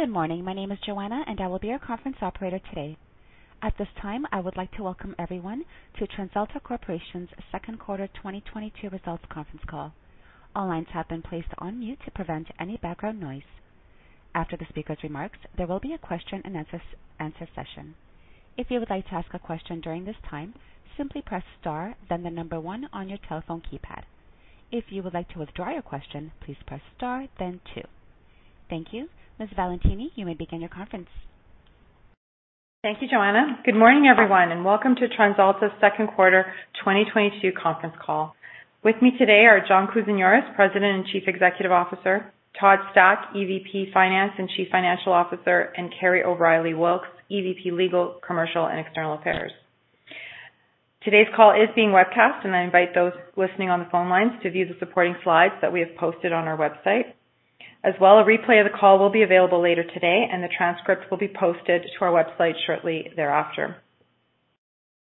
Good morning. My name is Joanna, and I will be your conference operator today. At this time, I would like to welcome everyone to TransAlta Corporation's second quarter 2022 results conference call. All lines have been placed on mute to prevent any background noise. After the speaker's remarks, there will be a question-and-answer session. If you would like to ask a question during this time, simply press star, then the number one on your telephone keypad. If you would like to withdraw your question, please press Star, then two. Thank you. Ms. Valentini, you may begin your conference. Thank you, Joanna. Good morning, everyone, and welcome to TransAlta's second quarter 2022 conference call. With me today are John Kousinioris, President and Chief Executive Officer, Todd Stack, EVP of Finance and Chief Financial Officer, and Kerry O'Reilly Wilks, EVP Legal, Commercial and External Affairs. Today's call is being webcast, and I invite those listening on the phone lines to view the supporting slides that we have posted on our website. As well, a replay of the call will be available later today and the transcript will be posted to our website shortly thereafter.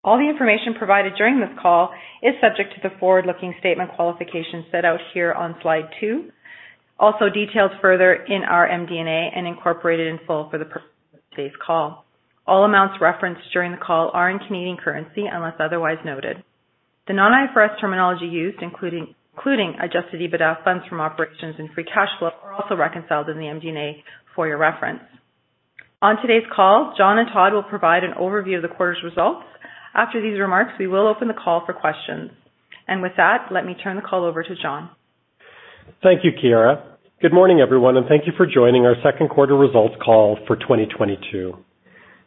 All the information provided during this call is subject to the forward-looking statement qualifications set out here on slide two, also detailed further in our MD&A and incorporated in full for the today's call. All amounts referenced during the call are in Canadian currency unless otherwise noted. The non-IFRS terminology used, including adjusted EBITDA, funds from operations and free cash flow, are also reconciled in the MD&A for your reference. On today's call, John and Todd will provide an overview of the quarter's results. After these remarks, we will open the call for questions. With that, let me turn the call over to John. Thank you, Chiara. Good morning, everyone, and thank you for joining our second quarter results call for 2022.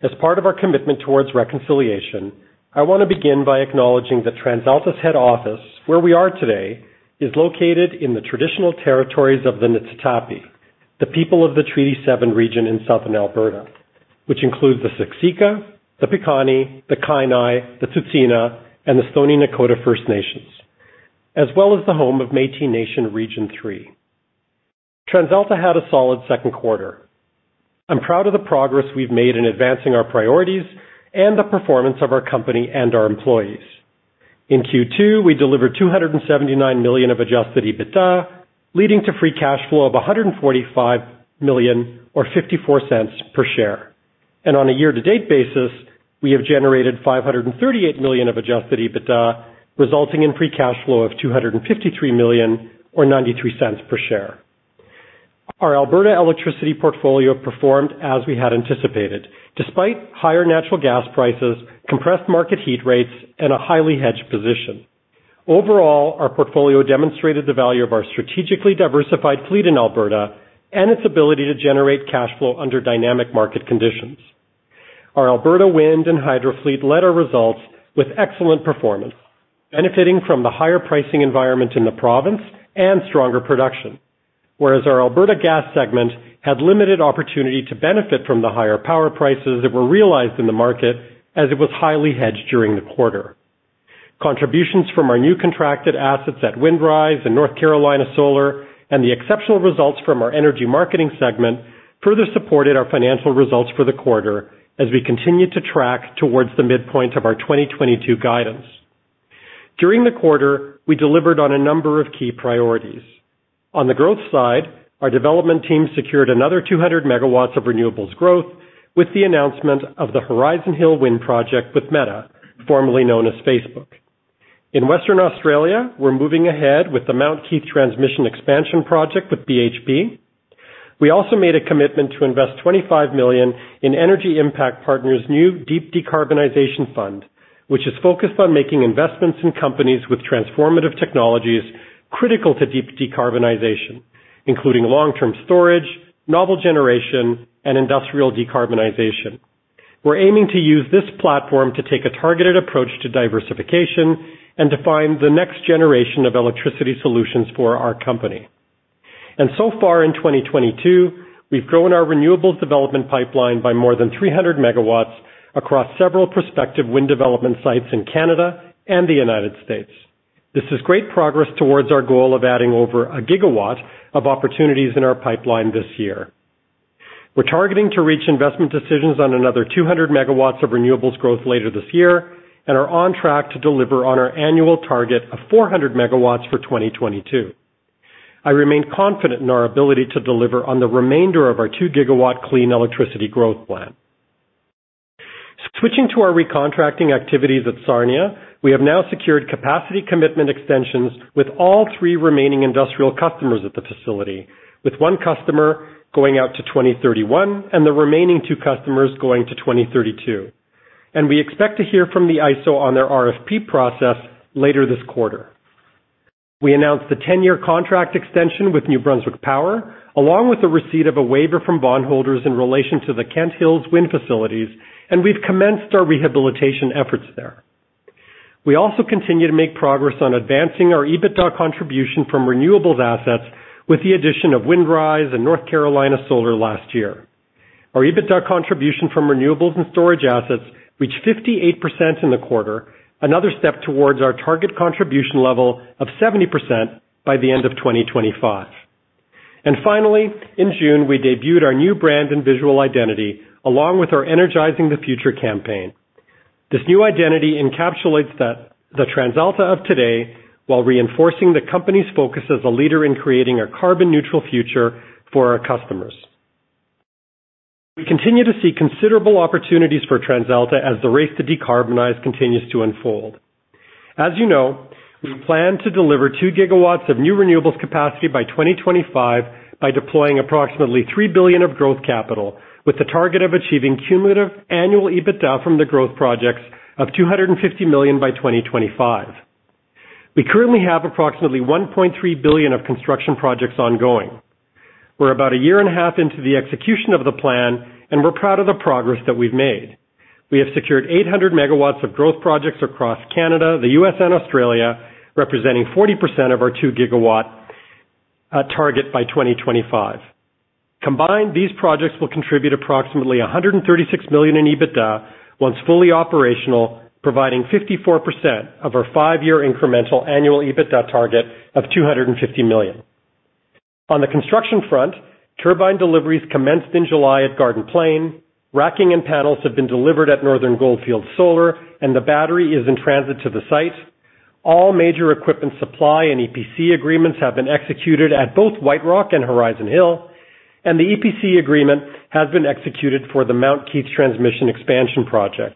As part of our commitment towards reconciliation, I want to begin by acknowledging that TransAlta's head office, where we are today, is located in the traditional territories of the Niitsitapi, the people of the Treaty 7 region in southern Alberta, which includes the Siksika, the Piikani, the Kainai, the Tsuut'ina, and the Stoney Nakoda First Nations, as well as the home of Métis Nation of Alberta Region 3. TransAlta had a solid second quarter. I'm proud of the progress we've made in advancing our priorities and the performance of our company and our employees. In Q2, we delivered 279 million of adjusted EBITDA, leading to free cash flow of 145 million or 0.54 per share. On a year-to-date basis, we have generated 538 million of adjusted EBITDA, resulting in free cash flow of 253 million or 0.93 per share. Our Alberta electricity portfolio performed as we had anticipated. Despite higher natural gas prices, compressed market heat rates, and a highly hedged position. Overall, our portfolio demonstrated the value of our strategically diversified fleet in Alberta and its ability to generate cash flow under dynamic market conditions. Our Alberta wind and hydro fleet led our results with excellent performance, benefiting from the higher pricing environment in the province and stronger production. Whereas our Alberta gas segment had limited opportunity to benefit from the higher power prices that were realized in the market as it was highly hedged during the quarter. Contributions from our new contracted assets at Windrise and North Carolina Solar and the exceptional results from our energy marketing segment further supported our financial results for the quarter as we continued to track towards the midpoint of our 2022 guidance. During the quarter, we delivered on a number of key priorities. On the growth side, our development team secured another 200 MW of renewables growth with the announcement of the Horizon Hill Wind Project with Meta, formerly known as Facebook. In Western Australia, we're moving ahead with the Mount Keith Transmission Expansion Project with BHP. We also made a commitment to invest 25 million in Energy Impact Partners' new Deep Decarbonization Frontier Fund, which is focused on making investments in companies with transformative technologies critical to deep decarbonization, including long-term storage, novel generation and industrial decarbonization. We're aiming to use this platform to take a targeted approach to diversification and to find the next generation of electricity solutions for our company. So far in 2022, we've grown our renewables development pipeline by more than 300 MW across several prospective wind development sites in Canada and the United States. This is great progress towards our goal of adding over 1 GW of opportunities in our pipeline this year. We're targeting to reach investment decisions on another 200 MW of renewables growth later this year and are on track to deliver on our annual target of 400 MW for 2022. I remain confident in our ability to deliver on the remainder of our 2 GW clean electricity growth plan. Switching to our recontracting activities at Sarnia, we have now secured capacity commitment extensions with all three remaining industrial customers at the facility, with one customer going out to 2031 and the remaining two customers going to 2032. We expect to hear from the ISO on their RFP process later this quarter. We announced the 10-year contract extension with New Brunswick Power, along with the receipt of a waiver from bondholders in relation to the Kent Hills wind facilities, and we've commenced our rehabilitation efforts there. We also continue to make progress on advancing our EBITDA contribution from renewables assets with the addition of Windrise and North Carolina Solar last year. Our EBITDA contribution from renewables and storage assets reached 58% in the quarter, another step towards our target contribution level of 70% by the end of 2025. Finally, in June, we debuted our new brand and visual identity, along with our Energizing the Future campaign. This new identity encapsulates the TransAlta of today, while reinforcing the company's focus as a leader in creating a carbon neutral future for our customers. We continue to see considerable opportunities for TransAlta as the race to decarbonize continues to unfold. As you know, we plan to deliver 2 GW of new renewables capacity by 2025, by deploying approximately 3 billion of growth capital, with the target of achieving cumulative annual EBITDA from the growth projects of 250 million by 2025. We currently have approximately 1.3 billion of construction projects ongoing. We're about a year and a half into the execution of the plan, and we're proud of the progress that we've made. We have secured 800 MW of growth projects across Canada, the U.S., and Australia, representing 40% of our 2-GW target by 2025. Combined, these projects will contribute approximately 136 million in EBITDA once fully operational, providing 54% of our five-year incremental annual EBITDA target of 250 million. On the construction front, turbine deliveries commenced in July at Garden Plain. Racking and panels have been delivered at Northern Goldfields Solar, and the battery is in transit to the site. All major equipment supply and EPC agreements have been executed at both White Rock and Horizon Hill, and the EPC agreement has been executed for the Mount Keith Transmission Expansion Project.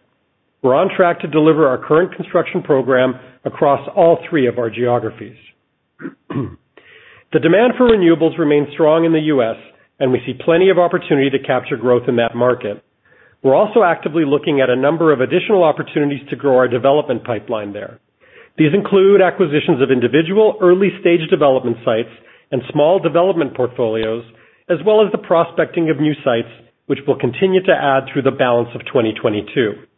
We're on track to deliver our current construction program across all three of our geographies. The demand for renewables remains strong in the U.S., and we see plenty of opportunity to capture growth in that market. We're also actively looking at a number of additional opportunities to grow our development pipeline there. These include acquisitions of individual early-stage development sites and small development portfolios, as well as the prospecting of new sites, which we'll continue to add through the balance of 2022.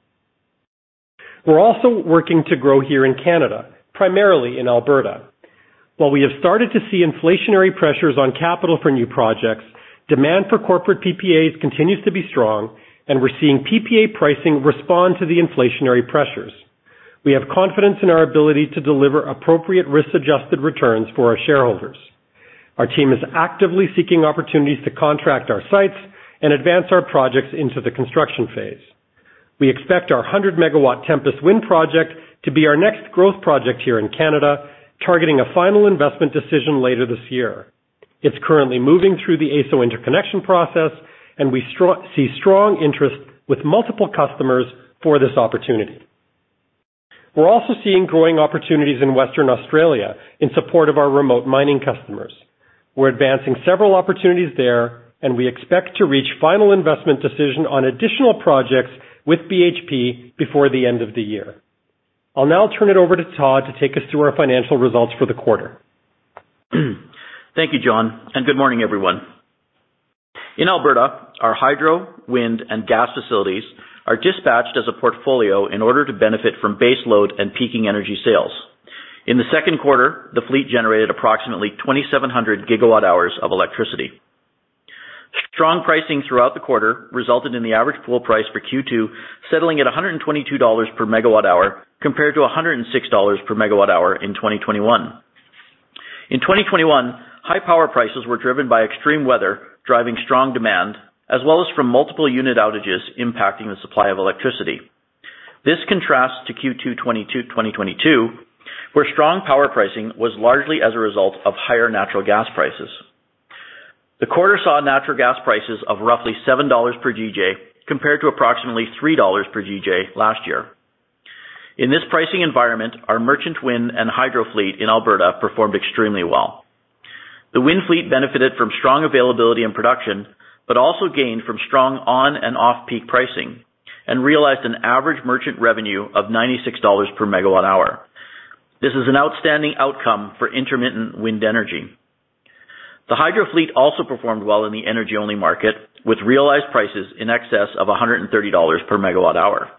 We're also working to grow here in Canada, primarily in Alberta. While we have started to see inflationary pressures on capital for new projects, demand for corporate PPAs continues to be strong, and we're seeing PPA pricing respond to the inflationary pressures. We have confidence in our ability to deliver appropriate risk-adjusted returns for our shareholders. Our team is actively seeking opportunities to contract our sites and advance our projects into the construction phase. We expect our 100-MW Tempest Wind project to be our next growth project here in Canada, targeting a final investment decision later this year. It's currently moving through the AESO interconnection process, and we see strong interest with multiple customers for this opportunity. We're also seeing growing opportunities in Western Australia in support of our remote mining customers. We're advancing several opportunities there, and we expect to reach final investment decision on additional projects with BHP before the end of the year. I'll now turn it over to Todd to take us through our financial results for the quarter. Thank you, John, and good morning, everyone. In Alberta, our hydro, wind, and gas facilities are dispatched as a portfolio in order to benefit from base load and peaking energy sales. In the second quarter, the fleet generated approximately 2,700 GW hours of electricity. Strong pricing throughout the quarter resulted in the average pool price for Q2, settling at 122 dollars per MWh, compared to 106 dollars per MWh in 2021. In 2021, high power prices were driven by extreme weather, driving strong demand, as well as from multiple unit outages impacting the supply of electricity. This contrasts to Q2 2022, where strong power pricing was largely as a result of higher natural gas prices. The quarter saw natural gas prices of roughly 7 dollars per GJ, compared to approximately 3 dollars per GJ last year. In this pricing environment, our merchant wind and hydro fleet in Alberta performed extremely well. The wind fleet benefited from strong availability and production, but also gained from strong on and off-peak pricing, and realized an average merchant revenue of 96 dollars per MWh. This is an outstanding outcome for intermittent wind energy. The hydro fleet also performed well in the energy-only market, with realized prices in excess of 130 dollars per MWh.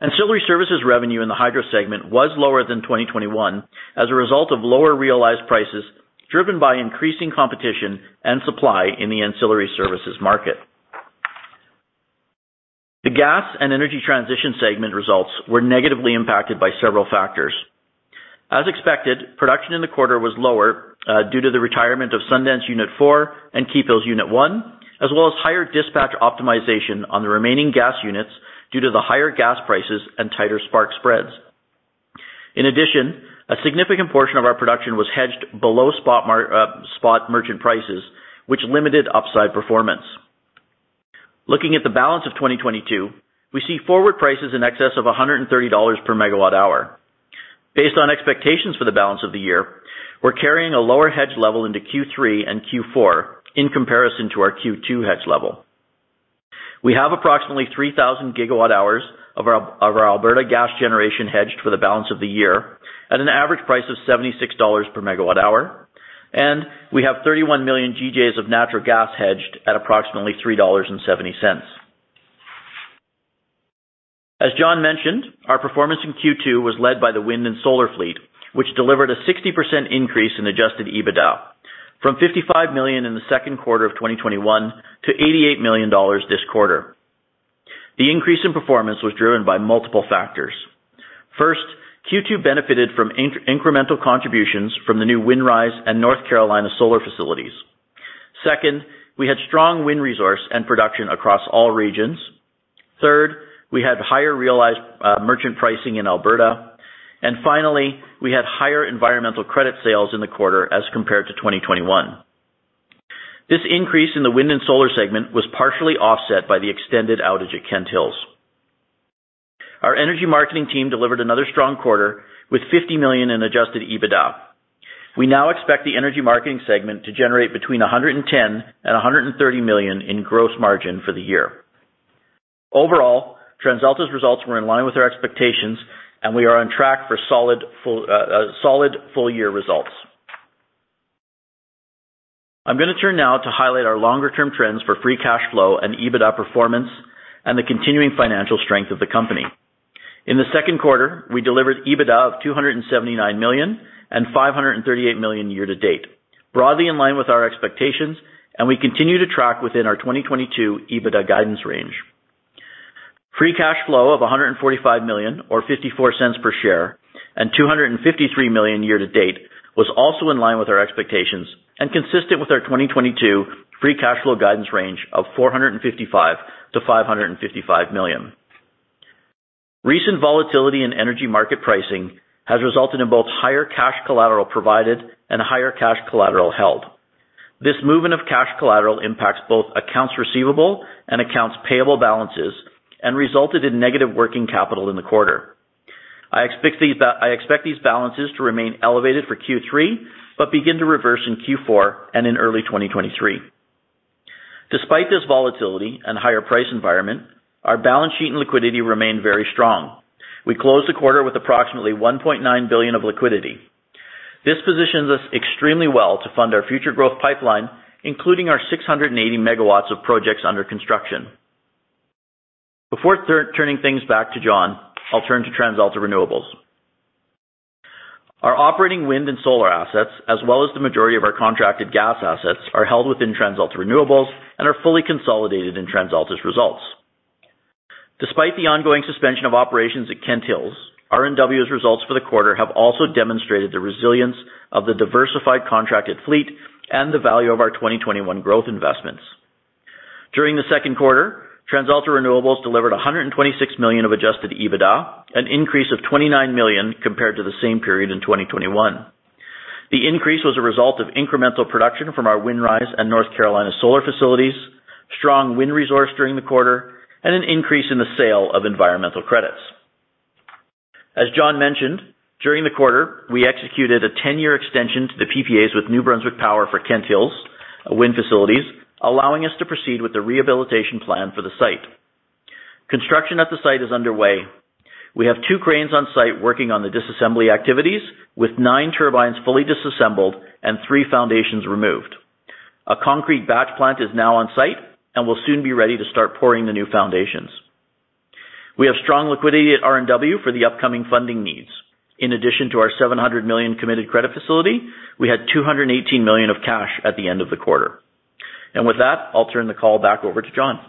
Ancillary services revenue in the hydro segment was lower than 2021 as a result of lower realized prices, driven by increasing competition and supply in the ancillary services market. The gas and energy transition segment results were negatively impacted by several factors. As expected, production in the quarter was lower due to the retirement of Sundance Unit 4 and Keephills Unit 1, as well as higher dispatch optimization on the remaining gas units due to the higher gas prices and tighter spark spreads. In addition, a significant portion of our production was hedged below spot merchant prices, which limited upside performance. Looking at the balance of 2022, we see forward prices in excess of 130 dollars per MWh. Based on expectations for the balance of the year, we're carrying a lower hedge level into Q3 and Q4 in comparison to our Q2 hedge level. We have approximately 3,000 GWh of our Alberta gas generation hedged for the balance of the year at an average price of 76 dollars per MWh, and we have 31 million GJ of natural gas hedged at approximately 3.70 dollars. As John mentioned, our performance in Q2 was led by the wind and solar fleet, which delivered a 60% increase in adjusted EBITDA from CAD 55 million in the second quarter of 2021 to CAD 88 million this quarter. The increase in performance was driven by multiple factors. First, Q2 benefited from incremental contributions from the new Windrise and North Carolina solar facilities. Second, we had strong wind resource and production across all regions. Third, we had higher realized merchant pricing in Alberta. Finally, we had higher environmental credit sales in the quarter as compared to 2021. This increase in the wind and solar segment was partially offset by the extended outage at Kent Hills. Our energy marketing team delivered another strong quarter with CAD 50 million in adjusted EBITDA. We now expect the energy marketing segment to generate between CAD 110 million and CAD 130 million in gross margin for the year. Overall, TransAlta's results were in line with our expectations and we are on track for solid full year results. I'm gonna turn now to highlight our longer-term trends for free cash flow and EBITDA performance, and the continuing financial strength of the company. In the second quarter, we delivered EBITDA of 279 million and 538 million year-to-date, broadly in line with our expectations, and we continue to track within our 2022 EBITDA guidance range. Free cash flow of 145 million or 0.54 per share, and 253 million year-to-date, was also in line with our expectations and consistent with our 2022 free cash flow guidance range of 455 million-555 million. Recent volatility in energy market pricing has resulted in both higher cash collateral provided and higher cash collateral held. This movement of cash collateral impacts both accounts receivable and accounts payable balances, and resulted in negative working capital in the quarter. I expect these balances to remain elevated for Q3, but begin to reverse in Q4 and in early 2023. Despite this volatility and higher price environment, our balance sheet and liquidity remain very strong. We closed the quarter with approximately 1.9 billion of liquidity. This positions us extremely well to fund our future growth pipeline, including our 680 MW of projects under construction. Before turning things back to John, I'll turn to TransAlta Renewables. Our operating wind and solar assets, as well as the majority of our contracted gas assets, are held within TransAlta Renewables and are fully consolidated in TransAlta's results. Despite the ongoing suspension of operations at Kent Hills, RNW's results for the quarter have also demonstrated the resilience of the diversified contracted fleet and the value of our 2021 growth investments. During the second quarter, TransAlta Renewables delivered 126 million of adjusted EBITDA, an increase of 29 million compared to the same period in 2021. The increase was a result of incremental production from our Windrise and North Carolina solar facilities, strong wind resource during the quarter, and an increase in the sale of environmental credits. As John mentioned, during the quarter, we executed a 10-year extension to the PPAs with New Brunswick Power for Kent Hills wind facilities, allowing us to proceed with the rehabilitation plan for the site. Construction at the site is underway. We have two cranes on site working on the disassembly activities with nine turbines fully disassembled and three foundations removed. A concrete batch plant is now on site and will soon be ready to start pouring the new foundations. We have strong liquidity at RNW for the upcoming funding needs. In addition to our 700 million committed credit facility, we had 218 million of cash at the end of the quarter. With that, I'll turn the call back over to John.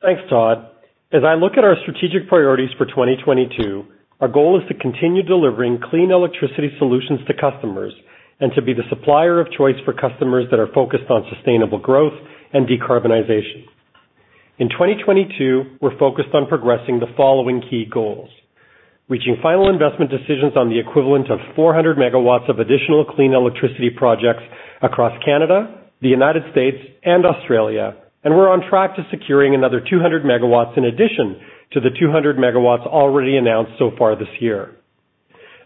Thanks, Todd. As I look at our strategic priorities for 2022, our goal is to continue delivering clean electricity solutions to customers and to be the supplier of choice for customers that are focused on sustainable growth and decarbonization. In 2022, we're focused on progressing the following key goals. Reaching final investment decisions on the equivalent of 400 MW of additional clean electricity projects across Canada, the United States and Australia, and we're on track to securing another 200 MW in addition to the 200 MW already announced so far this year.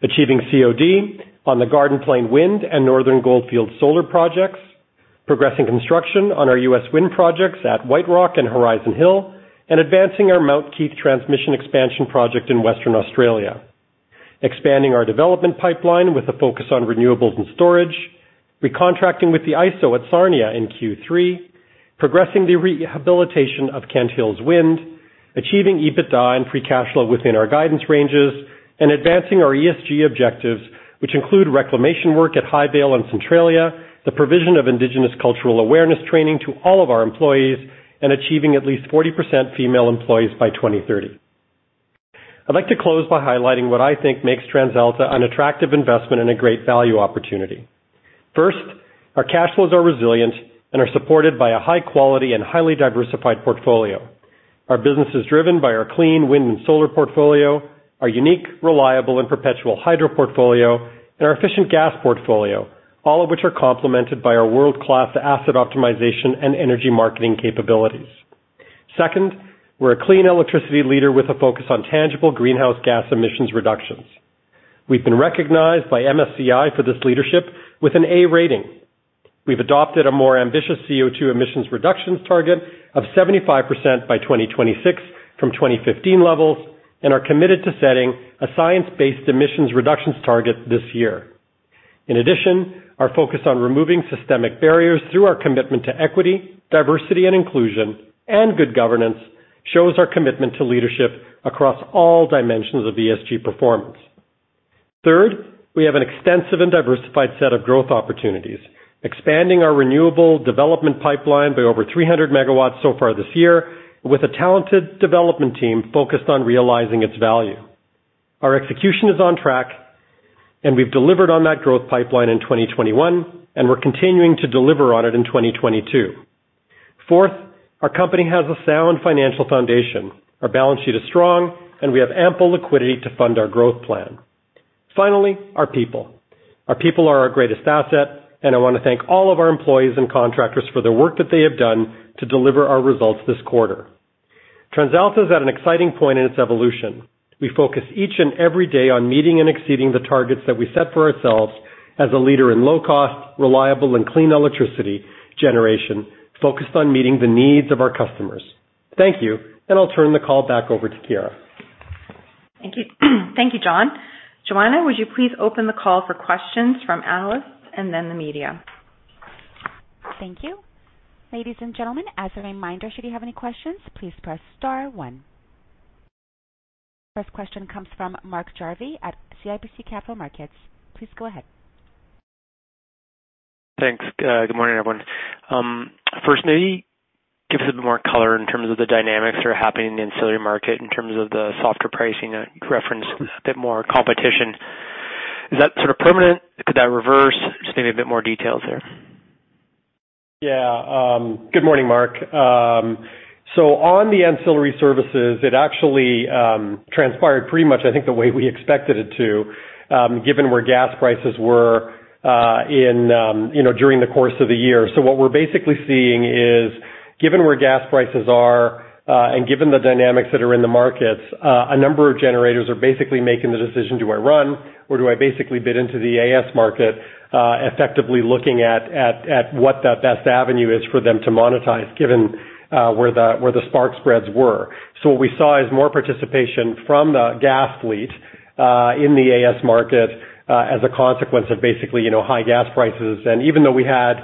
Achieving COD on the Garden Plain Wind and Northern Goldfields Solar projects, progressing construction on our U.S. wind projects at White Rock and Horizon Hill, and advancing our Mount Keith transmission expansion project in Western Australia. Expanding our development pipeline with a focus on renewables and storage. Recontracting with the ISO at Sarnia in Q3. Progressing the rehabilitation of Kent Hills Wind. Achieving EBITDA and free cash flow within our guidance ranges. Advancing our ESG objectives, which include reclamation work at Highvale and Centralia, the provision of indigenous cultural awareness training to all of our employees, and achieving at least 40% female employees by 2030. I'd like to close by highlighting what I think makes TransAlta an attractive investment and a great value opportunity. First, our cash flows are resilient and are supported by a high quality and highly diversified portfolio. Our business is driven by our clean wind and solar portfolio, our unique, reliable and perpetual hydro portfolio, and our efficient gas portfolio, all of which are complemented by our world-class asset optimization and energy marketing capabilities. Second, we're a clean electricity leader with a focus on tangible greenhouse gas emissions reductions. We've been recognized by MSCI for this leadership with an A rating. We've adopted a more ambitious CO2 emissions reductions target of 75% by 2026 from 2015 levels, and are committed to setting a science-based emissions reductions target this year. In addition, our focus on removing systemic barriers through our commitment to equity, diversity and inclusion, and good governance shows our commitment to leadership across all dimensions of ESG performance. Third, we have an extensive and diversified set of growth opportunities, expanding our renewable development pipeline by over 300 MW so far this year, with a talented development team focused on realizing its value. Our execution is on track, and we've delivered on that growth pipeline in 2021, and we're continuing to deliver on it in 2022. Fourth, our company has a sound financial foundation. Our balance sheet is strong, and we have ample liquidity to fund our growth plan. Finally, our people. Our people are our greatest asset, and I want to thank all of our employees and contractors for the work that they have done to deliver our results this quarter. TransAlta is at an exciting point in its evolution. We focus each and every day on meeting and exceeding the targets that we set for ourselves as a leader in low-cost, reliable, and clean electricity generation focused on meeting the needs of our customers. Thank you. I'll turn the call back over to Chiara. Thank you. Thank you, John. Joanna, would you please open the call for questions from analysts and then the media? Thank you. Ladies and gentlemen, as a reminder, should you have any questions, please press star one. First question comes from Mark Jarvi at CIBC Capital Markets. Please go ahead. Thanks. Good morning, everyone. First, maybe give us a bit more color in terms of the dynamics that are happening in the ancillary market in terms of the softer pricing. You referenced a bit more competition. Is that sort of permanent? Could that reverse? Just give me a bit more details there. Yeah, good morning, Mark. On the ancillary services, it actually transpired pretty much, I think, the way we expected it to, given where gas prices were, you know, during the course of the year. What we're basically seeing is, given where gas prices are, and given the dynamics that are in the markets, a number of generators are basically making the decision, do I run or do I basically bid into the AS market, effectively looking at what the best avenue is for them to monetize, given where the spark spreads were. What we saw is more participation from the gas fleet in the AS market as a consequence of basically, you know, high gas prices. Even though we had,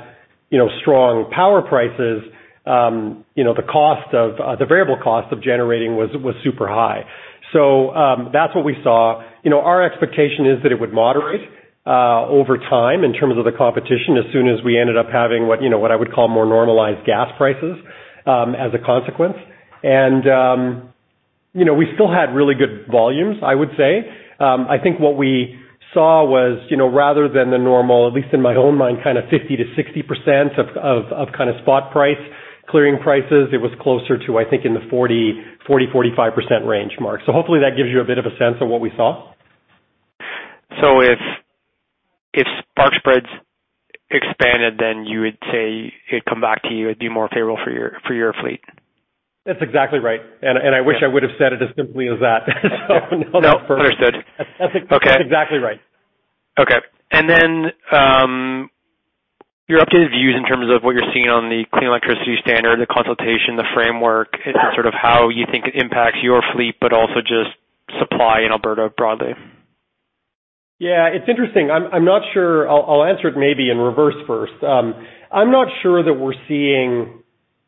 you know, strong power prices, you know, the variable cost of generating was super high. That's what we saw. You know, our expectation is that it would moderate over time in terms of the competition as soon as we ended up having what, you know, what I would call more normalized gas prices as a consequence. You know, we still had really good volumes, I would say. I think what we saw was, you know, rather than the normal, at least in my own mind, kind of 50%-60% of kind of spot price clearing prices, it was closer to, I think, in the 40%-45% range. Hopefully that gives you a bit of a sense of what we saw. If spark spreads expanded, then you would say it'd come back to you. It'd be more favorable for your fleet. That's exactly right. I wish I would have said it as simply as that. No. Understood. That's. Okay. That's exactly right. Your updated views in terms of what you're seeing on the Clean Electricity Standard, the consultation, the framework, in terms of how you think it impacts your fleet, but also just supply in Alberta broadly. Yeah, it's interesting. I'm not sure. I'll answer it maybe in reverse first. I'm not sure that we're seeing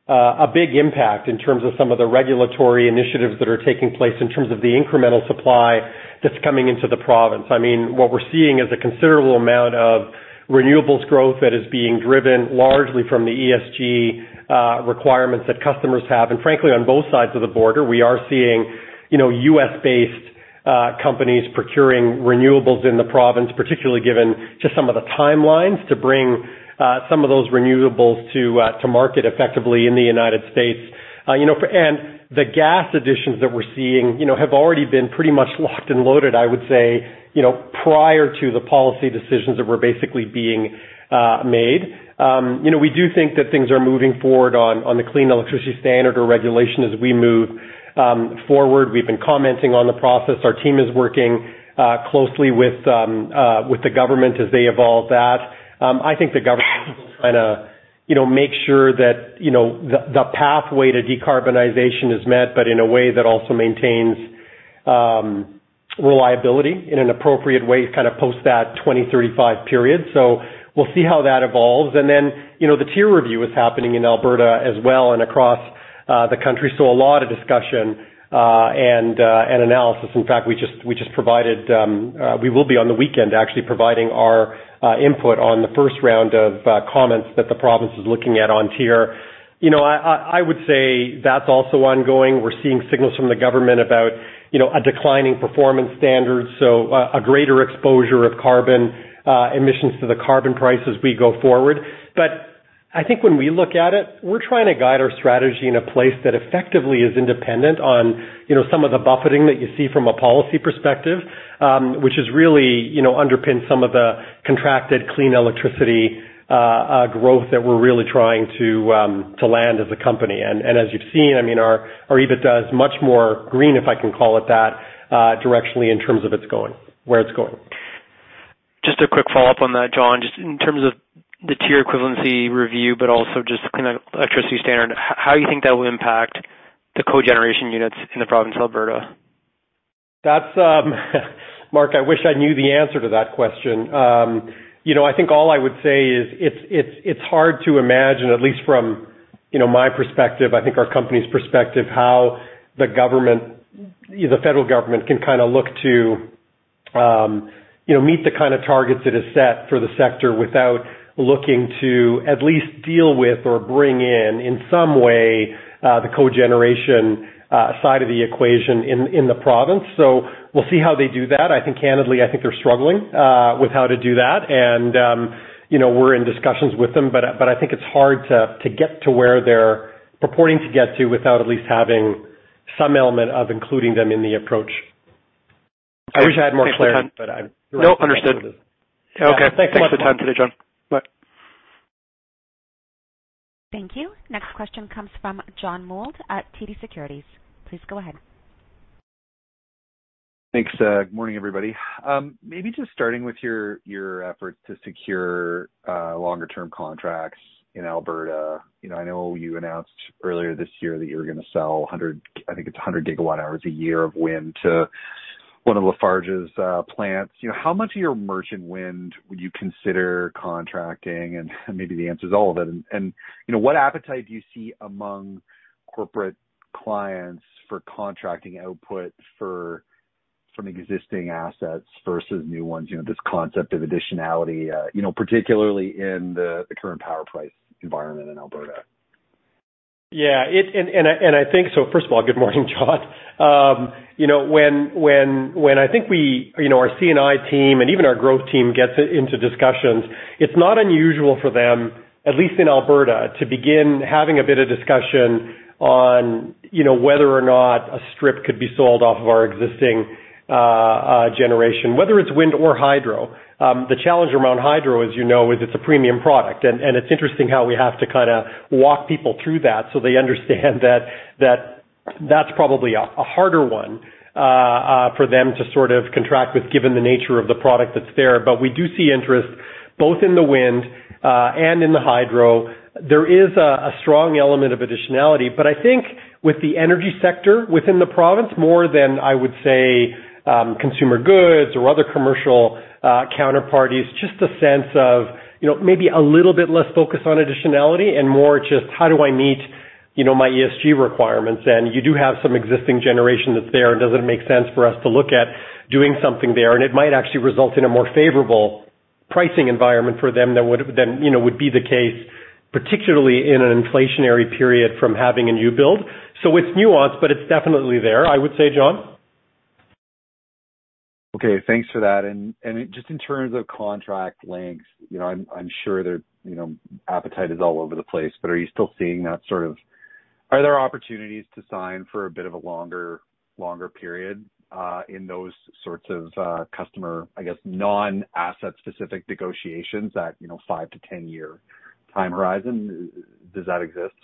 a big impact in terms of some of the regulatory initiatives that are taking place in terms of the incremental supply that's coming into the province. I mean, what we're seeing is a considerable amount of renewables growth that is being driven largely from the ESG requirements that customers have. And frankly, on both sides of the border, we are seeing, you know, U.S.-based companies procuring renewables in the province, particularly given just some of the timelines to bring some of those renewables to market effectively in the United States. You know for, and the gas additions that we're seeing, you know, have already been pretty much locked and loaded, I would say, you know, prior to the policy decisions that were basically being made. You know, we do think that things are moving forward on the Clean Electricity Standard or regulation as we move forward. We've been commenting on the process. Our team is working closely with the government as they evolve that. I think the government is trying to, you know, make sure that, you know, the pathway to decarbonization is met, but in a way that also maintains reliability in an appropriate way, kind of post that 2035 period. We'll see how that evolves. Then, you know, the TIER review is happening in Alberta as well and across the country. A lot of discussion and analysis. In fact, we will be on the weekend actually providing our input on the first round of comments that the province is looking at on TIER. You know, I would say that's also ongoing. We're seeing signals from the government about, you know, a declining performance standard, so a greater exposure of carbon emissions to the carbon price as we go forward. But I think when we look at it, we're trying to guide our strategy in a place that effectively is independent of, you know, some of the buffeting that you see from a policy perspective, which has really, you know, underpinned some of the contracted clean electricity growth that we're really trying to land as a company. As you've seen, I mean, our EBITDA is much more green, if I can call it that, directionally in terms of its going, where it's going. Just a quick follow-up on that, John. Just in terms of the TIER equivalency review, but also just Clean Electricity Standard, how do you think that will impact the cogeneration units in the province of Alberta? That's Mark, I wish I knew the answer to that question. You know, I think all I would say is it's hard to imagine, at least from my perspective, I think our company's perspective, how the government, the federal government can kind of look to, you know, meet the kind of targets that is set for the sector without looking to at least deal with or bring in some way, the cogeneration side of the equation in the province. So we'll see how they do that. I think candidly, I think they're struggling with how to do that. You know, we're in discussions with them, but I think it's hard to get to where they're purporting to get to without at least having some element of including them in the approach. I wish I had more clarity. No. Understood. Okay. Thanks so much. Thanks for the time today, John. Bye. Thank you. Next question comes from John Mould at TD Securities. Please go ahead. Thanks, good morning, everybody. Maybe just starting with your efforts to secure longer term contracts in Alberta. You know, I know you announced earlier this year that you were gonna sell 100, I think it's 100 GW hours a year of wind to one of Lafarge's plants. You know, how much of your merchant wind would you consider contracting? Maybe the answer is all of it. You know, what appetite do you see among corporate clients for contracting output for some existing assets versus new ones? You know, this concept of additionality, particularly in the current power price environment in Alberta. I think so. First of all, good morning, John. You know, when I think we, you know, our C&I team and even our growth team gets into discussions, it's not unusual for them, at least in Alberta, to begin having a bit of discussion on, you know, whether or not a strip could be sold off of our existing generation, whether it's wind or hydro. The challenge around hydro, as you know, is it's a premium product. It's interesting how we have to kinda walk people through that so they understand that that's probably a harder one for them to sort of contract with given the nature of the product that's there. We do see interest both in the wind and in the hydro. There is a strong element of additionality. I think with the energy sector within the province, more than I would say, consumer goods or other commercial counterparties, just a sense of, you know, maybe a little bit less focused on additionality and more just how do I meet, you know, my ESG requirements. You do have some existing generation that's there, and does it make sense for us to look at doing something there? It might actually result in a more favorable pricing environment for them than would, you know, be the case, particularly in an inflationary period from having a new build. It's nuanced, but it's definitely there, I would say, John. Okay, thanks for that. Just in terms of contract lengths, you know, I'm sure that, you know, appetite is all over the place, but are you still seeing that sort of. Are there opportunities to sign for a bit of a longer period in those sorts of customer, I guess, non-asset-specific negotiations at, you know, five- to 10-year time horizon? Does that exist?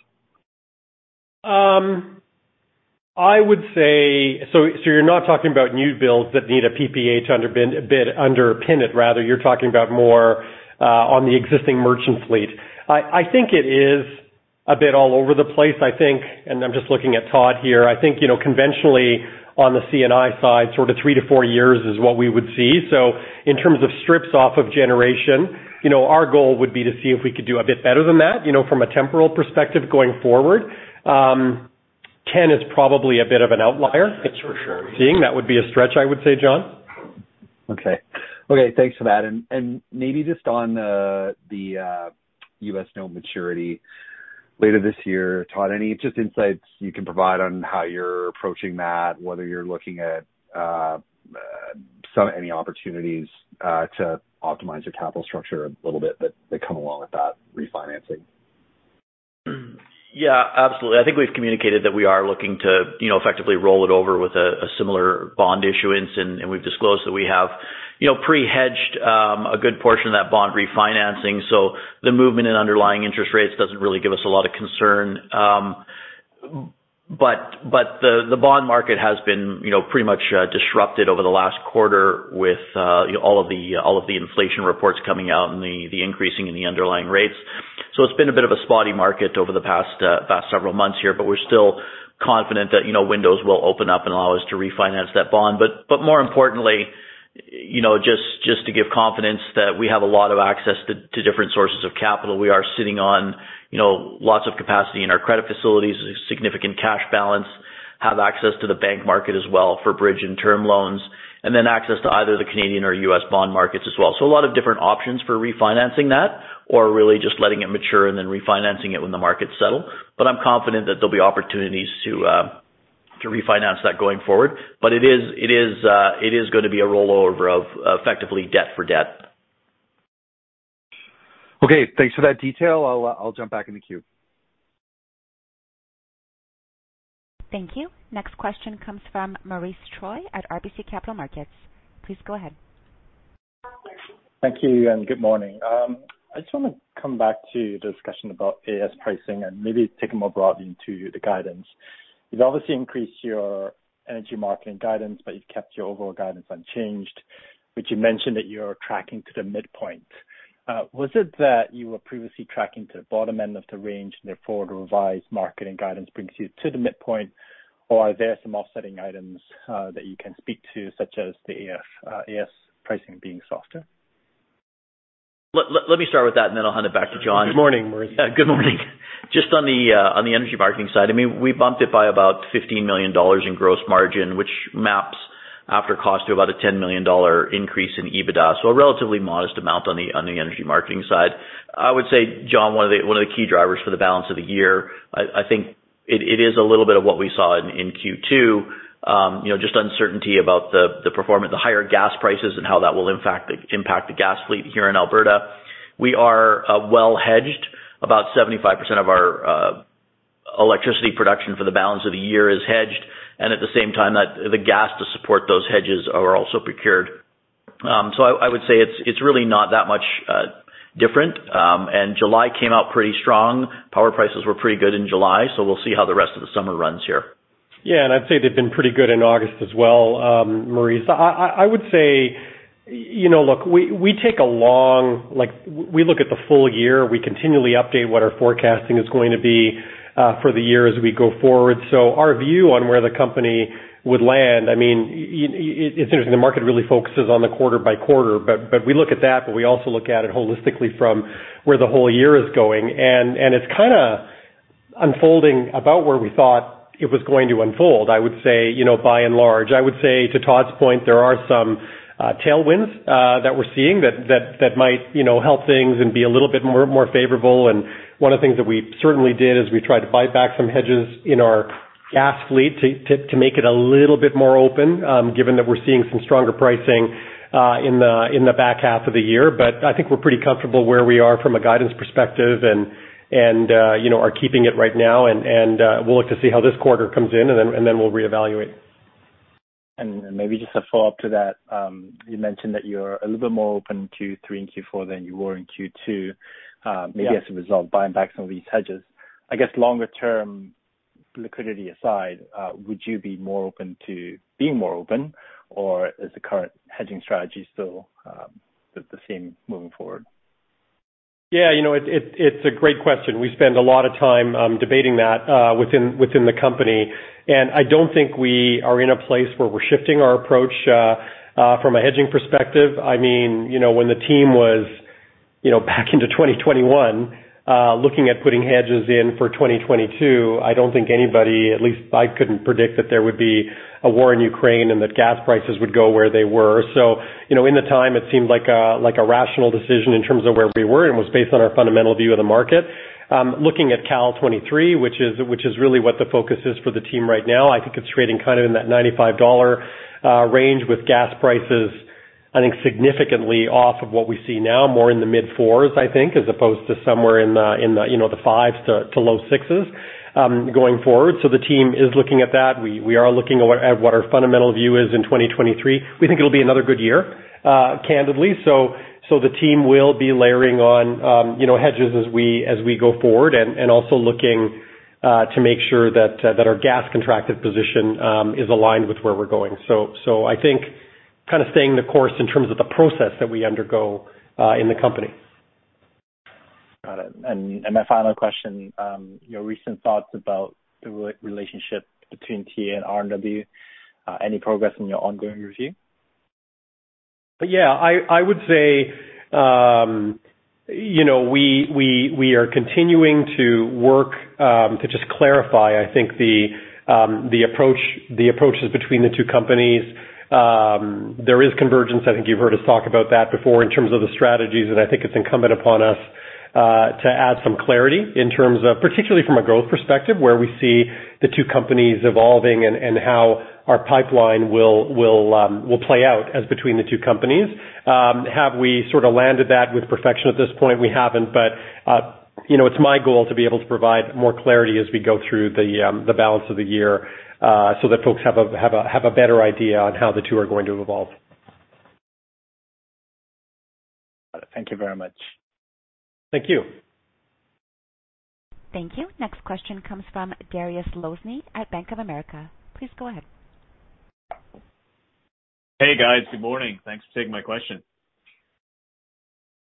So you're not talking about new builds that need a PPA bid underpinned rather. You're talking about more on the existing merchant fleet. I think it is a bit all over the place. I think, and I'm just looking at Todd here. I think, you know, conventionally on the C&I side, sort of three to four years is what we would see. In terms of strips off of generation, you know, our goal would be to see if we could do a bit better than that, you know, from a temporal perspective going forward, 10 is probably a bit of an outlier. That's for sure. That would be a stretch, I would say, John. Okay, thanks for that. Maybe just on the U.S. note maturity later this year. Todd, any just insights you can provide on how you're approaching that, whether you're looking at some any opportunities to optimize your capital structure a little bit that come along with that refinancing? Yeah, absolutely. I think we've communicated that we are looking to, you know, effectively roll it over with a similar bond issuance. We've disclosed that we have, you know, pre-hedged a good portion of that bond refinancing. The movement in underlying interest rates doesn't really give us a lot of concern. But the bond market has been, you know, pretty much disrupted over the last quarter with all of the inflation reports coming out and the increase in the underlying rates. It's been a bit of a spotty market over the past several months here, but we're still confident that, you know, windows will open up and allow us to refinance that bond. More importantly, you know, just to give confidence that we have a lot of access to different sources of capital. We are sitting on, you know, lots of capacity in our credit facilities, a significant cash balance, have access to the bank market as well for bridge and term loans, and then access to either the Canadian or U.S. bond markets as well. A lot of different options for refinancing that or really just letting it mature and then refinancing it when the markets settle. I'm confident that there'll be opportunities to refinance that going forward. It is gonna be a rollover of effectively debt for debt. Okay, thanks for that detail. I'll jump back in the queue. Thank you. Next question comes from Maurice Choy at RBC Capital Markets. Please go ahead. Thank you, and good morning. I just wanna come back to the discussion about AS pricing and maybe take it more broadly into the guidance. You've obviously increased your energy marketing guidance, but you've kept your overall guidance unchanged. You mentioned that you're tracking to the midpoint. Was it that you were previously tracking to the bottom end of the range and therefore the revised marketing guidance brings you to the midpoint, or are there some offsetting items that you can speak to, such as the AS pricing being softer? Let me start with that, and then I'll hand it back to John. Good morning, Maurice. Good morning. Just on the energy marketing side, I mean, we bumped it by about 15 million dollars in gross margin, which maps after cost to about a 10 million dollar increase in EBITDA. A relatively modest amount on the energy marketing side. I would say, John, one of the key drivers for the balance of the year, I think it is a little bit of what we saw in Q2. You know, just uncertainty about the higher gas prices and how that will impact the gas fleet here in Alberta. We are well hedged. About 75% of our electricity production for the balance of the year is hedged, and at the same time that the gas to support those hedges are also procured. I would say it's really not that much different. July came out pretty strong. Power prices were pretty good in July, so we'll see how the rest of the summer runs here. Yeah. I'd say they've been pretty good in August as well, Maurice. I would say, you know, look, we take a long view. Like, we look at the full year. We continually update what our forecasting is going to be for the year as we go forward. Our view on where the company would land, I mean, it's interesting, the market really focuses on the quarter by quarter, but we look at that, but we also look at it holistically from where the whole year is going. It's kinda unfolding about where we thought it was going to unfold, I would say, you know, by and large. I would say, to Todd's point, there are some tailwinds that we're seeing that might, you know, help things and be a little bit more favorable. One of the things that we certainly did is we tried to buy back some hedges in our gas fleet to make it a little bit more open, given that we're seeing some stronger pricing in the back half of the year. I think we're pretty comfortable where we are from a guidance perspective and you know, are keeping it right now. We'll look to see how this quarter comes in, and then we'll reevaluate. Maybe just a follow-up to that. You mentioned that you're a little bit more open in Q3 and Q4 than you were in Q2. Yeah. Maybe as a result of buying back some of these hedges. I guess longer term liquidity aside, would you be more open to being more open, or is the current hedging strategy still the same moving forward? Yeah, you know, it's a great question. We spend a lot of time debating that within the company. I don't think we are in a place where we're shifting our approach from a hedging perspective. I mean, you know, when the team was, you know, back in 2021, looking at putting hedges in for 2022, I don't think anybody, at least I couldn't predict that there would be a war in Ukraine and that gas prices would go where they were. You know, in the time, it seemed like a rational decision in terms of where we were, and it was based on our fundamental view of the market. Looking at Cal 2023, which is really what the focus is for the team right now, I think it's trading kind of in that 95 dollar range with gas prices, I think, significantly off of what we see now, more in the mid-CAD 4s, I think, as opposed to somewhere in the, you know, the CAD 5s to low CAD 6s, going forward. The team is looking at that. We are looking at what our fundamental view is in 2023. We think it'll be another good year, candidly. The team will be layering on, you know, hedges as we go forward and also looking to make sure that our gas contracted position is aligned with where we're going. I think kind of staying the course in terms of the process that we undergo in the company. Got it. My final question, your recent thoughts about the relationship between TA and RNW, any progress in your ongoing review? Yeah. I would say, you know, we are continuing to work to just clarify, I think the approach, the approaches between the two companies. There is convergence. I think you've heard us talk about that before in terms of the strategies. I think it's incumbent upon us to add some clarity in terms of, particularly from a growth perspective, where we see the two companies evolving and how our pipeline will play out as between the two companies. Have we sort of landed that with perfection at this point? We haven't. You know, it's my goal to be able to provide more clarity as we go through the balance of the year, so that folks have a better idea on how the two are going to evolve. Thank you very much. Thank you. Thank you. Next question comes from Dariusz Lozny at Bank of America. Please go ahead. Hey, guys. Good morning. Thanks for taking my question.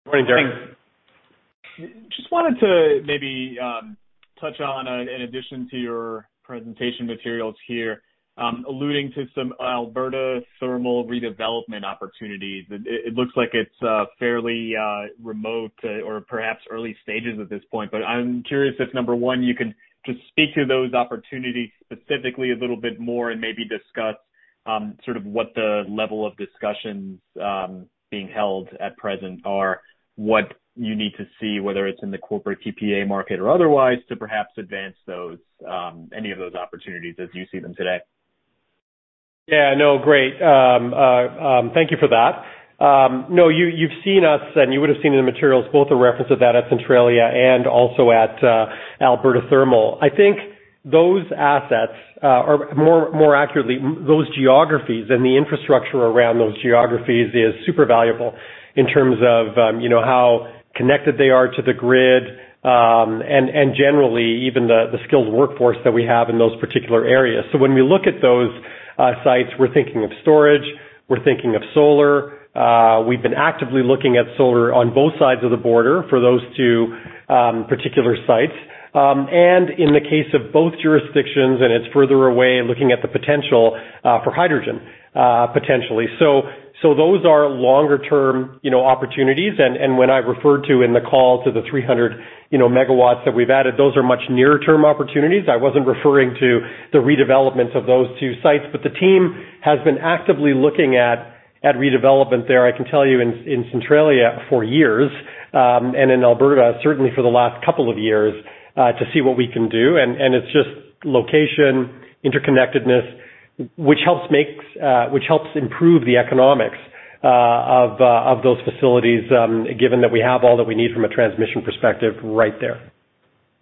Morning, Dariusz. Just wanted to maybe touch on, in addition to your presentation materials here, alluding to some Alberta thermal redevelopment opportunities. It looks like it's fairly remote or perhaps early stages at this point. I'm curious if, number one, you can just speak to those opportunities specifically a little bit more and maybe discuss, sort of what the level of discussions being held at present are. What you need to see, whether it's in the corporate PPA market or otherwise, to perhaps advance those, any of those opportunities as you see them today. Yeah. No, great. Thank you for that. No, you've seen us, and you would have seen in the materials both a reference of that at Centralia and also at Alberta Thermal. I think those assets, or more accurately, those geographies and the infrastructure around those geographies is super valuable in terms of, you know, how connected they are to the grid, and generally even the skilled workforce that we have in those particular areas. When we look at those sites, we're thinking of storage, we're thinking of solar. We've been actively looking at solar on both sides of the border for those two particular sites. And in the case of both jurisdictions, and it's further away, looking at the potential for hydrogen, potentially. Those are longer term, you know, opportunities. When I referred to in the call to the 300 MW that we've added, those are much nearer term opportunities. I wasn't referring to the redevelopment of those two sites. The team has been actively looking at redevelopment there, I can tell you, in Centralia for years and in Alberta, certainly for the last couple of years, to see what we can do. It's just location, interconnectedness which helps improve the economics of those facilities, given that we have all that we need from a transmission perspective right there.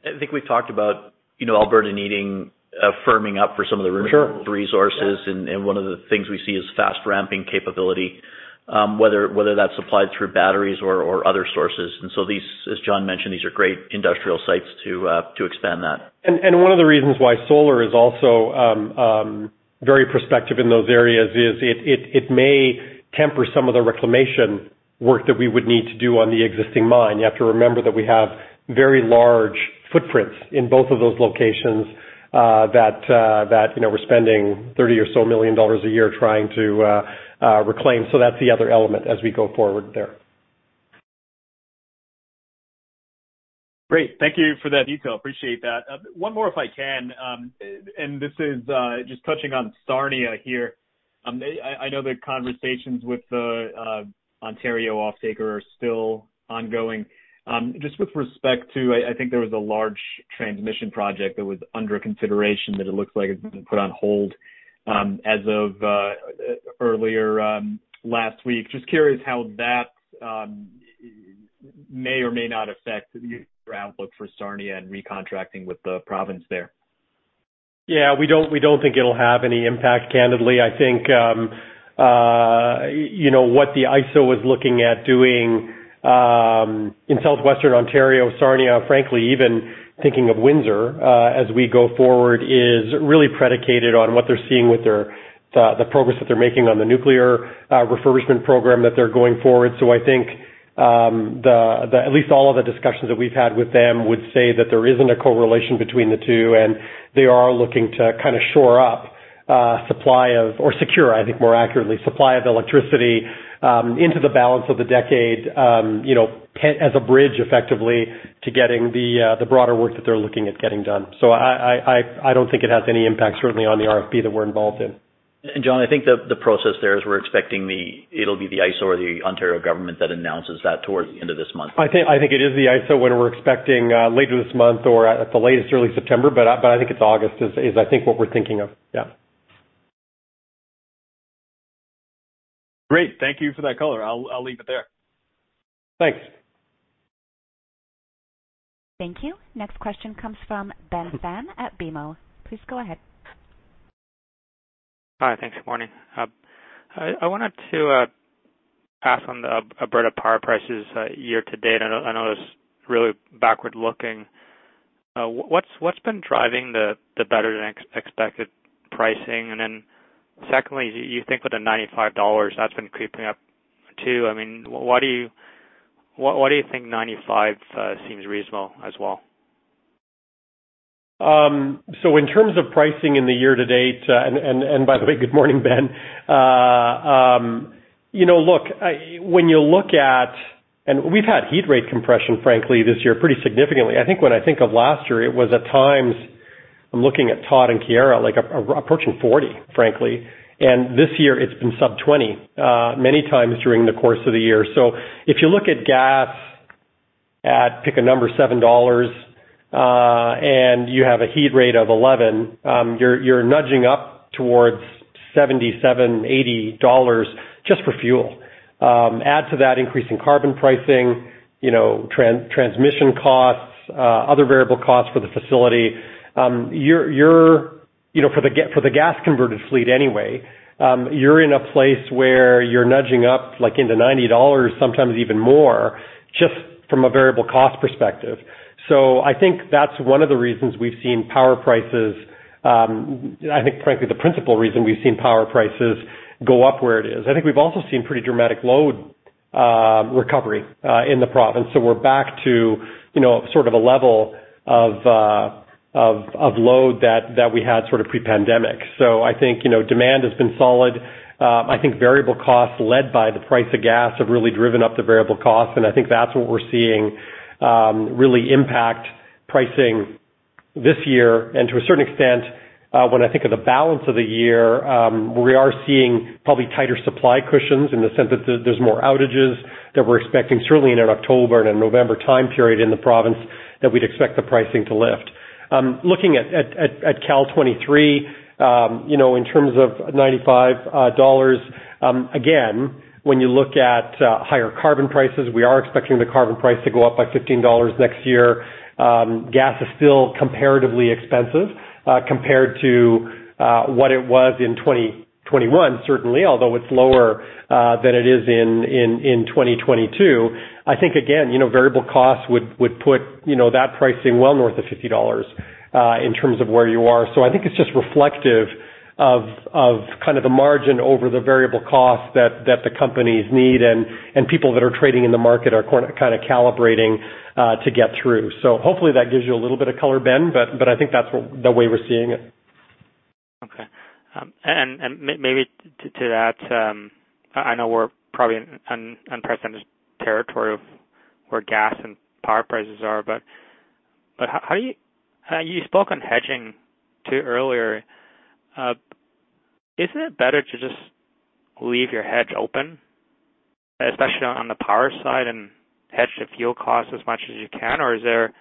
I think we talked about, you know, Alberta needing a firming up for some of the resources. Sure. One of the things we see is fast ramping capability, whether that's supplied through batteries or other sources. These, as John mentioned, are great industrial sites to expand that. One of the reasons why solar is also very prospective in those areas is it may temper some of the reclamation work that we would need to do on the existing mine. You have to remember that we have very large footprints in both of those locations that you know we're spending 30 million or so a year trying to reclaim. That's the other element as we go forward there. Great. Thank you for that detail. Appreciate that. One more, if I can. This is just touching on Sarnia here. I know the conversations with the Ontario off-taker are still ongoing. Just with respect to, I think there was a large transmission project that was under consideration that it looks like it's been put on hold, as of earlier last week. Just curious how that may or may not affect your outlook for Sarnia and recontracting with the province there. Yeah. We don't think it'll have any impact, candidly. I think, you know, what the ISO was looking at doing in Southwestern Ontario, Sarnia, frankly, even thinking of Windsor, as we go forward, is really predicated on what they're seeing with the progress that they're making on the nuclear refurbishment program that they're going forward. I think, at least all of the discussions that we've had with them would say that there isn't a correlation between the two, and they are looking to kind of shore up supply or secure, I think, more accurately, supply of electricity into the balance of the decade, you know, as a bridge effectively to getting the broader work that they're looking at getting done. I don't think it has any impact, certainly on the RFP that we're involved in. John, I think the process there is we're expecting it'll be the ISO or the Ontario government that announces that towards the end of this month. I think it is the ISO, what we're expecting, later this month or at the latest, early September. I think it's August is I think what we're thinking of. Yeah. Great. Thank you for that color. I'll leave it there. Thanks. Thank you. Next question comes from Ben Pham at BMO. Please go ahead. Hi. Thanks. Good morning. I wanted to ask on the Alberta power prices year-to-date. I know it's really backward-looking. What's been driving the better than expected pricing? Secondly, you think with the 95 dollars that's been creeping up too. I mean, why do you think 95 seems reasonable as well? In terms of pricing in the year-to-date, and by the way, good morning, Ben. You know, look, when you look at, we've had heat rate compression, frankly this year, pretty significantly. I think when I think of last year, it was at times, I'm looking at Todd and Chiara, like approaching 40, frankly. This year it's been sub-20, many times during the course of the year. If you look at gas at, pick a number, 7 dollars, and you have a heat rate of 11, you're nudging up towards 77-80 dollars just for fuel. Add to that increase in carbon pricing, you know, transmission costs, other variable costs for the facility. You're you know, for the gas-converted fleet anyway, you're in a place where you're nudging up, like into 90 dollars, sometimes even more, just from a variable cost perspective. I think that's one of the reasons we've seen power prices. I think frankly, the principal reason we've seen power prices go up where it is. I think we've also seen pretty dramatic load recovery in the province. We're back to you know, sort of a level of load that we had sort of pre-pandemic. I think you know, demand has been solid. I think variable costs led by the price of gas have really driven up the variable costs, and I think that's what we're seeing really impact pricing this year. To a certain extent, when I think of the balance of the year, we are seeing probably tighter supply cushions in the sense that there's more outages that we're expecting, certainly in an October and November time period in the province, that we'd expect the pricing to lift. Looking at Cal 2023, you know, in terms of 95 dollars, again, when you look at higher carbon prices, we are expecting the carbon price to go up by 15 dollars next year. Gas is still comparatively expensive compared to what it was in 2021, certainly, although it's lower than it is in 2022. I think again, you know, variable costs would put you know that pricing well north of 50 dollars in terms of where you are. I think it's just reflective of kind of the margin over the variable costs that the companies need and people that are trading in the market are kind of calibrating to get through. Hopefully that gives you a little bit of color, Ben, but I think that's the way we're seeing it. Okay. Maybe to that, I know we're probably in unprecedented territory of where gas and power prices are, how are you? You spoke on hedging too earlier. Isn't it better to just leave your hedge open? Especially on the power side and hedge the fuel costs as much as you can? Or is there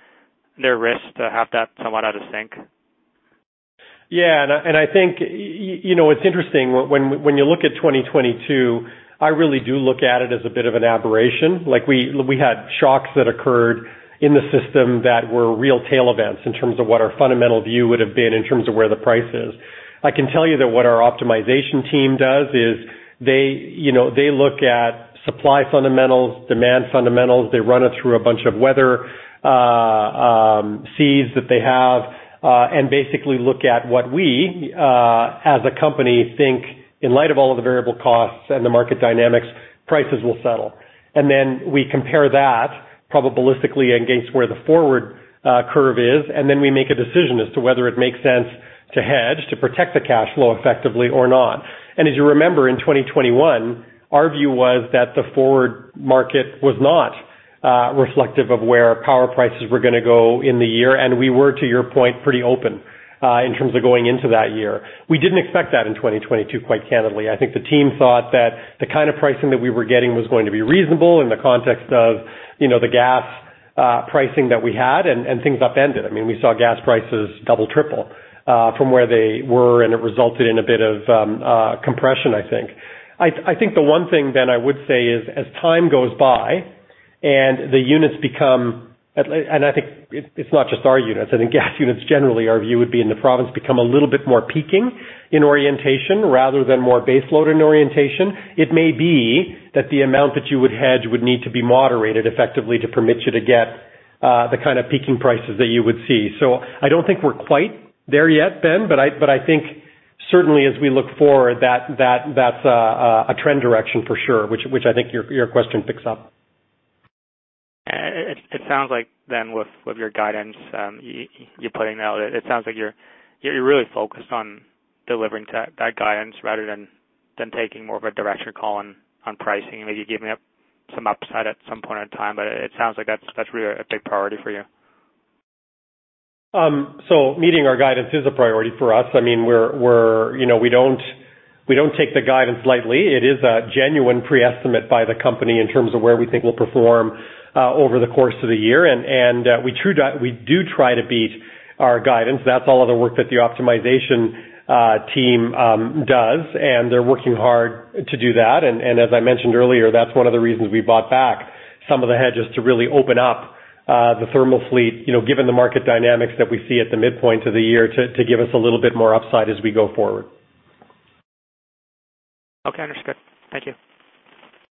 risk to have that somewhat out of sync? Yeah. I think, you know, it's interesting when you look at 2022, I really do look at it as a bit of an aberration. Like, we had shocks that occurred in the system that were real tail events in terms of what our fundamental view would have been in terms of where the price is. I can tell you that what our optimization team does is they, you know, they look at supply fundamentals, demand fundamentals. They run it through a bunch of weather seeds that they have, and basically look at what we as a company think in light of all of the variable costs and the market dynamics, prices will settle. Then we compare that probabilistically against where the forward curve is, and then we make a decision as to whether it makes sense to hedge, to protect the cash flow effectively or not. As you remember, in 2021, our view was that the forward market was not reflective of where power prices were gonna go in the year, and we were, to your point, pretty open in terms of going into that year. We didn't expect that in 2022, quite candidly. I think the team thought that the kind of pricing that we were getting was going to be reasonable in the context of, you know, the gas pricing that we had and things upended. I mean, we saw gas prices double, triple from where they were, and it resulted in a bit of compression, I think. I think the one thing then I would say is as time goes by and the units become, and I think it's not just our units, I think gas units generally, our view would be in the province, become a little bit more peaking in orientation rather than more baseload in orientation. It may be that the amount that you would hedge would need to be moderated effectively to permit you to get the kind of peaking prices that you would see. I don't think we're quite there yet, Ben, but I think certainly as we look forward, that's a trend direction for sure, which I think your question picks up. It sounds like then, with your guidance you're putting out, it sounds like you're really focused on delivering to that guidance rather than taking more of a directional call on pricing. Maybe giving up some upside at some point in time, but it sounds like that's really a big priority for you. Meeting our guidance is a priority for us. I mean, we're, you know, we don't take the guidance lightly. It is a genuine pre-estimate by the company in terms of where we think we'll perform over the course of the year. We do try to beat our guidance. That's all of the work that the optimization team does, and they're working hard to do that. As I mentioned earlier, that's one of the reasons we bought back some of the hedges to really open up the thermal fleet, you know, given the market dynamics that we see at the midpoint of the year, to give us a little bit more upside as we go forward. Okay, understood. Thank you.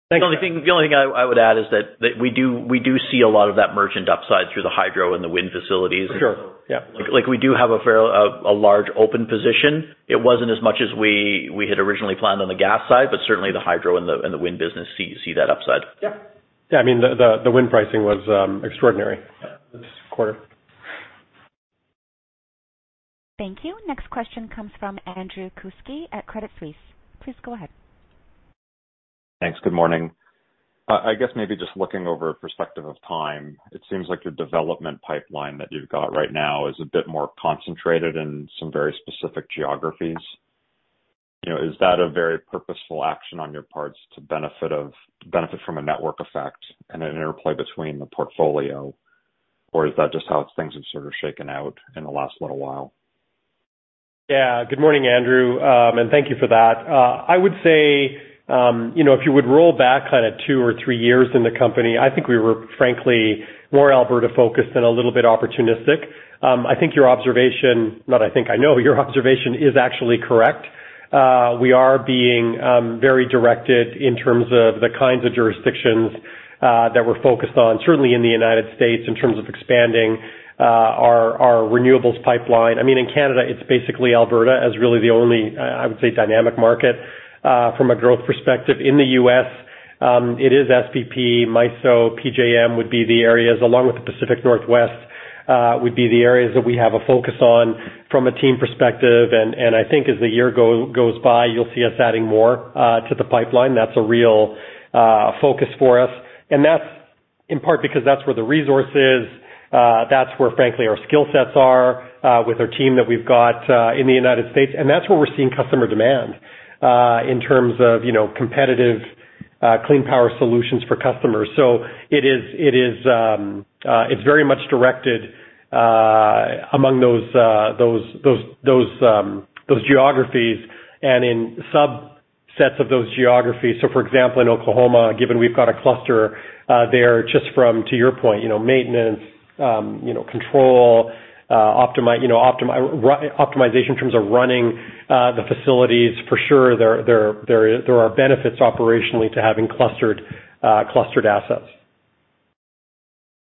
Thanks. The only thing I would add is that we do see a lot of that merchant upside through the hydro and the wind facilities. For sure. Yeah. Like, we do have a fairly large open position. It wasn't as much as we had originally planned on the gas side, but certainly the hydro and the wind business see that upside. Yeah. Yeah. I mean, the wind pricing was extraordinary this quarter. Thank you. Next question comes from Andrew Kuske at Credit Suisse. Please go ahead. Thanks. Good morning. I guess maybe just looking over a perspective of time, it seems like your development pipeline that you've got right now is a bit more concentrated in some very specific geographies. You know, is that a very purposeful action on your parts to benefit from a network effect and an interplay between the portfolio, or is that just how things have sort of shaken out in the last little while? Yeah. Good morning, Andrew, and thank you for that. I would say, you know, if you would roll back kind of two or three years in the company, I think we were frankly more Alberta-focused and a little bit opportunistic. I know your observation is actually correct. We are being very directed in terms of the kinds of jurisdictions that we're focused on, certainly in the United States, in terms of expanding our renewables pipeline. I mean, in Canada, it's basically Alberta as really the only dynamic market from a growth perspective. In the US, it is SPP, MISO, PJM, the areas, along with the Pacific Northwest, the areas that we have a focus on from a team perspective. I think as the year goes by, you'll see us adding more to the pipeline. That's a real focus for us. That's in part because that's where the resource is. That's where, frankly, our skill sets are with our team that we've got in the United States. That's where we're seeing customer demand in terms of, you know, competitive clean power solutions for customers. It is very much directed among those geographies and in subsets of those geographies. For example, in Oklahoma, given we've got a cluster there just from, to your point, you know, maintenance, you know, control, optimization in terms of running the facilities, for sure there are benefits operationally to having clustered assets.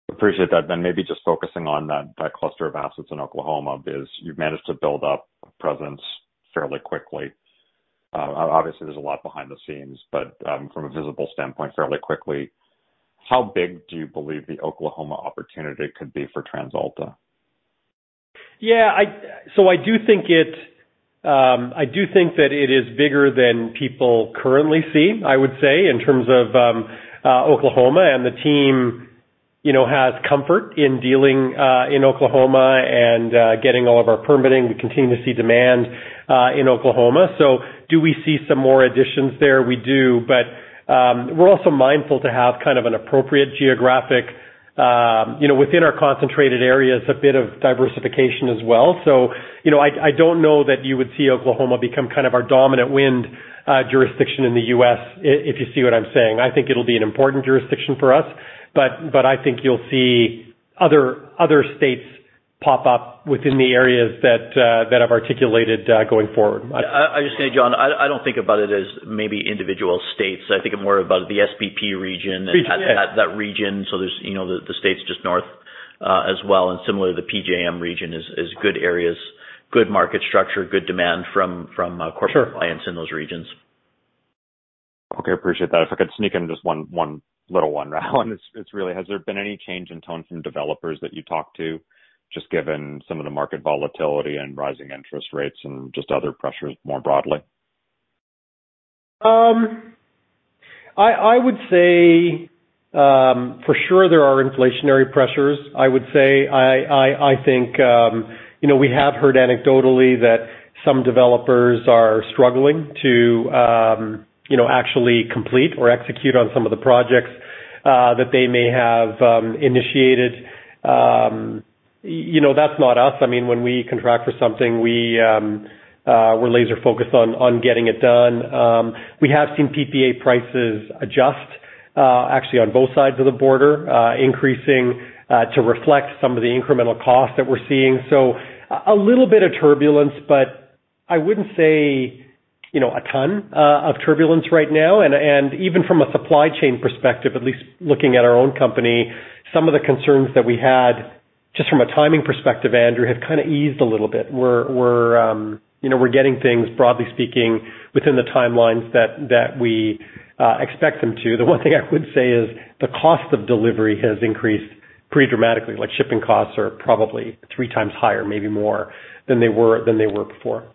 Appreciate that. Maybe just focusing on that cluster of assets in Oklahoma, how you've managed to build up a presence fairly quickly. Obviously, there's a lot behind the scenes, but from a visible standpoint, fairly quickly, how big do you believe the Oklahoma opportunity could be for TransAlta? Yeah. I do think that it is bigger than people currently see, I would say, in terms of Oklahoma and the team. You know, has comfort in dealing in Oklahoma and getting all of our permitting. We continue to see demand in Oklahoma. Do we see some more additions there? We do, but we're also mindful to have kind of an appropriate geographic you know, within our concentrated areas, a bit of diversification as well. You know, I don't know that you would see Oklahoma become kind of our dominant wind jurisdiction in the U.S., if you see what I'm saying. I think it'll be an important jurisdiction for us. But I think you'll see other states pop up within the areas that I've articulated going forward. I just say, John, I don't think about it as maybe individual states. I think I'm more about the SPP region. Region, yeah. That region. So there's, you know, the states just north, as well, and similarly, the PJM region is good areas, good market structure, good demand from Sure. Corporate clients in those regions. Okay. Appreciate that. If I could sneak in just one little one round. Has there been any change in tone from developers that you talk to, just given some of the market volatility and rising interest rates and just other pressures more broadly? I would say, for sure there are inflationary pressures. I would say I think, you know, we have heard anecdotally that some developers are struggling to, you know, actually complete or execute on some of the projects that they may have initiated. You know, that's not us. I mean, when we contract for something, we're laser focused on getting it done. We have seen PPA prices adjust, actually on both sides of the border, increasing to reflect some of the incremental costs that we're seeing. A little bit of turbulence, but I wouldn't say, you know, a ton of turbulence right now, and even from a supply chain perspective, at least looking at our own company, some of the concerns that we had just from a timing perspective, Andrew, have kind of eased a little bit. We're you know, getting things, broadly speaking, within the timelines that we expect them to. The one thing I would say is the cost of delivery has increased pretty dramatically, like shipping costs are probably three times higher, maybe more than they were before.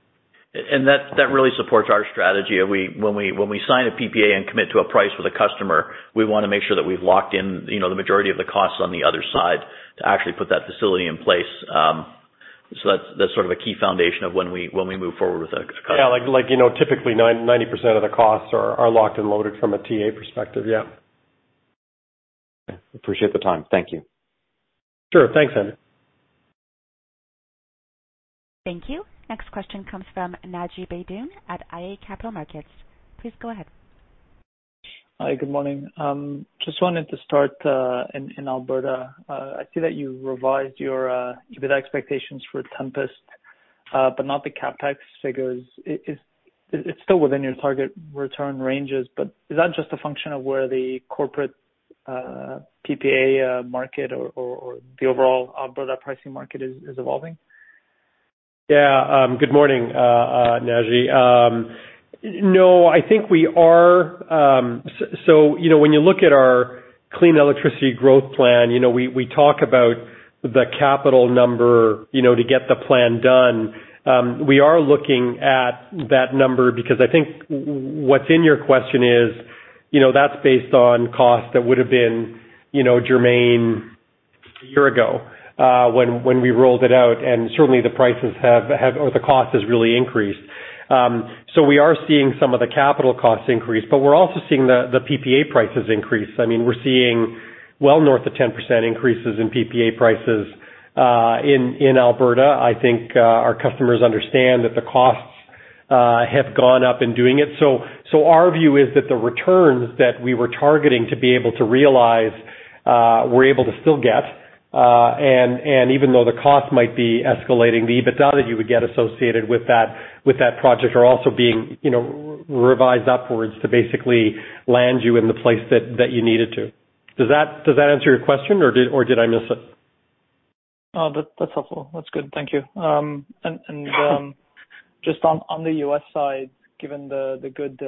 That really supports our strategy. When we sign a PPA and commit to a price with a customer, we wanna make sure that we've locked in, you know, the majority of the costs on the other side to actually put that facility in place. That's sort of a key foundation of when we move forward with a customer. Yeah. Like, you know, typically 90% of the costs are locked and loaded from a TA perspective. Yeah. Appreciate the time. Thank you. Sure. Thanks, Andrew. Thank you. Next question comes from Naji Baydoun at iA Capital Markets. Please go ahead. Hi. Good morning. Just wanted to start in Alberta. I see that you revised your EBITDA expectations for Tempest, but not the CapEx figures. It's still within your target return ranges, but is that just a function of where the corporate PPA market or the overall Alberta pricing market is evolving? Good morning, Naji. No, I think we are. So, you know, when you look at our clean electricity growth plan, you know, we talk about the capital number, you know, to get the plan done. We are looking at that number because I think what's in your question is, you know, that's based on costs that would have been, you know, germane a year ago, when we rolled it out, and certainly the prices have or the cost has really increased. So we are seeing some of the capital costs increase, but we're also seeing the PPA prices increase. I mean, we're seeing well north of 10% increases in PPA prices, in Alberta. I think our customers understand that the costs have gone up in doing it. Our view is that the returns that we were targeting to be able to realize, we're able to still get, and even though the cost might be escalating, the EBITDA that you would get associated with that project are also being revised upwards to basically land you in the place that you needed to. Does that answer your question or did I miss it? That's helpful. That's good. Thank you. Just on the U.S. side, given the good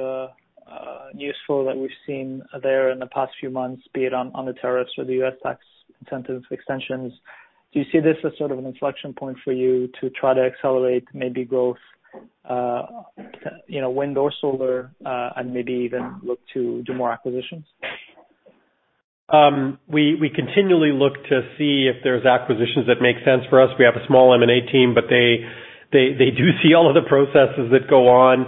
news flow that we've seen there in the past few months, be it on the tariffs or the U.S. tax incentive extensions, do you see this as sort of an inflection point for you to try to accelerate maybe growth, you know, wind or solar, and maybe even look to do more acquisitions? We continually look to see if there's acquisitions that make sense for us. We have a small M&A team, but they do see all of the processes that go on.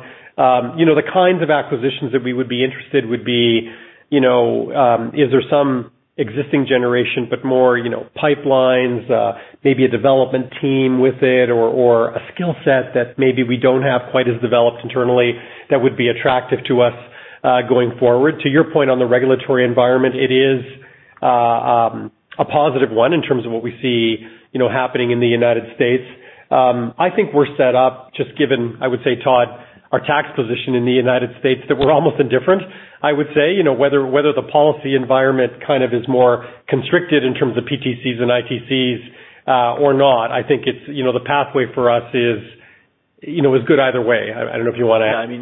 You know, the kinds of acquisitions that we would be interested would be, you know, is there some existing generation but more, you know, pipelines, maybe a development team with it or a skill set that maybe we don't have quite as developed internally that would be attractive to us, going forward. To your point on the regulatory environment, it is a positive one in terms of what we see, you know, happening in the United States. I think we're set up just given, I would say, Todd, our tax position in the United States, that we're almost indifferent, I would say. You know, whether the policy environment kind of is more constricted in terms of PTCs and ITCs, or not, I think it's, you know, the pathway for us is, you know, is good either way. I don't know if you wanna add. Yeah. I mean,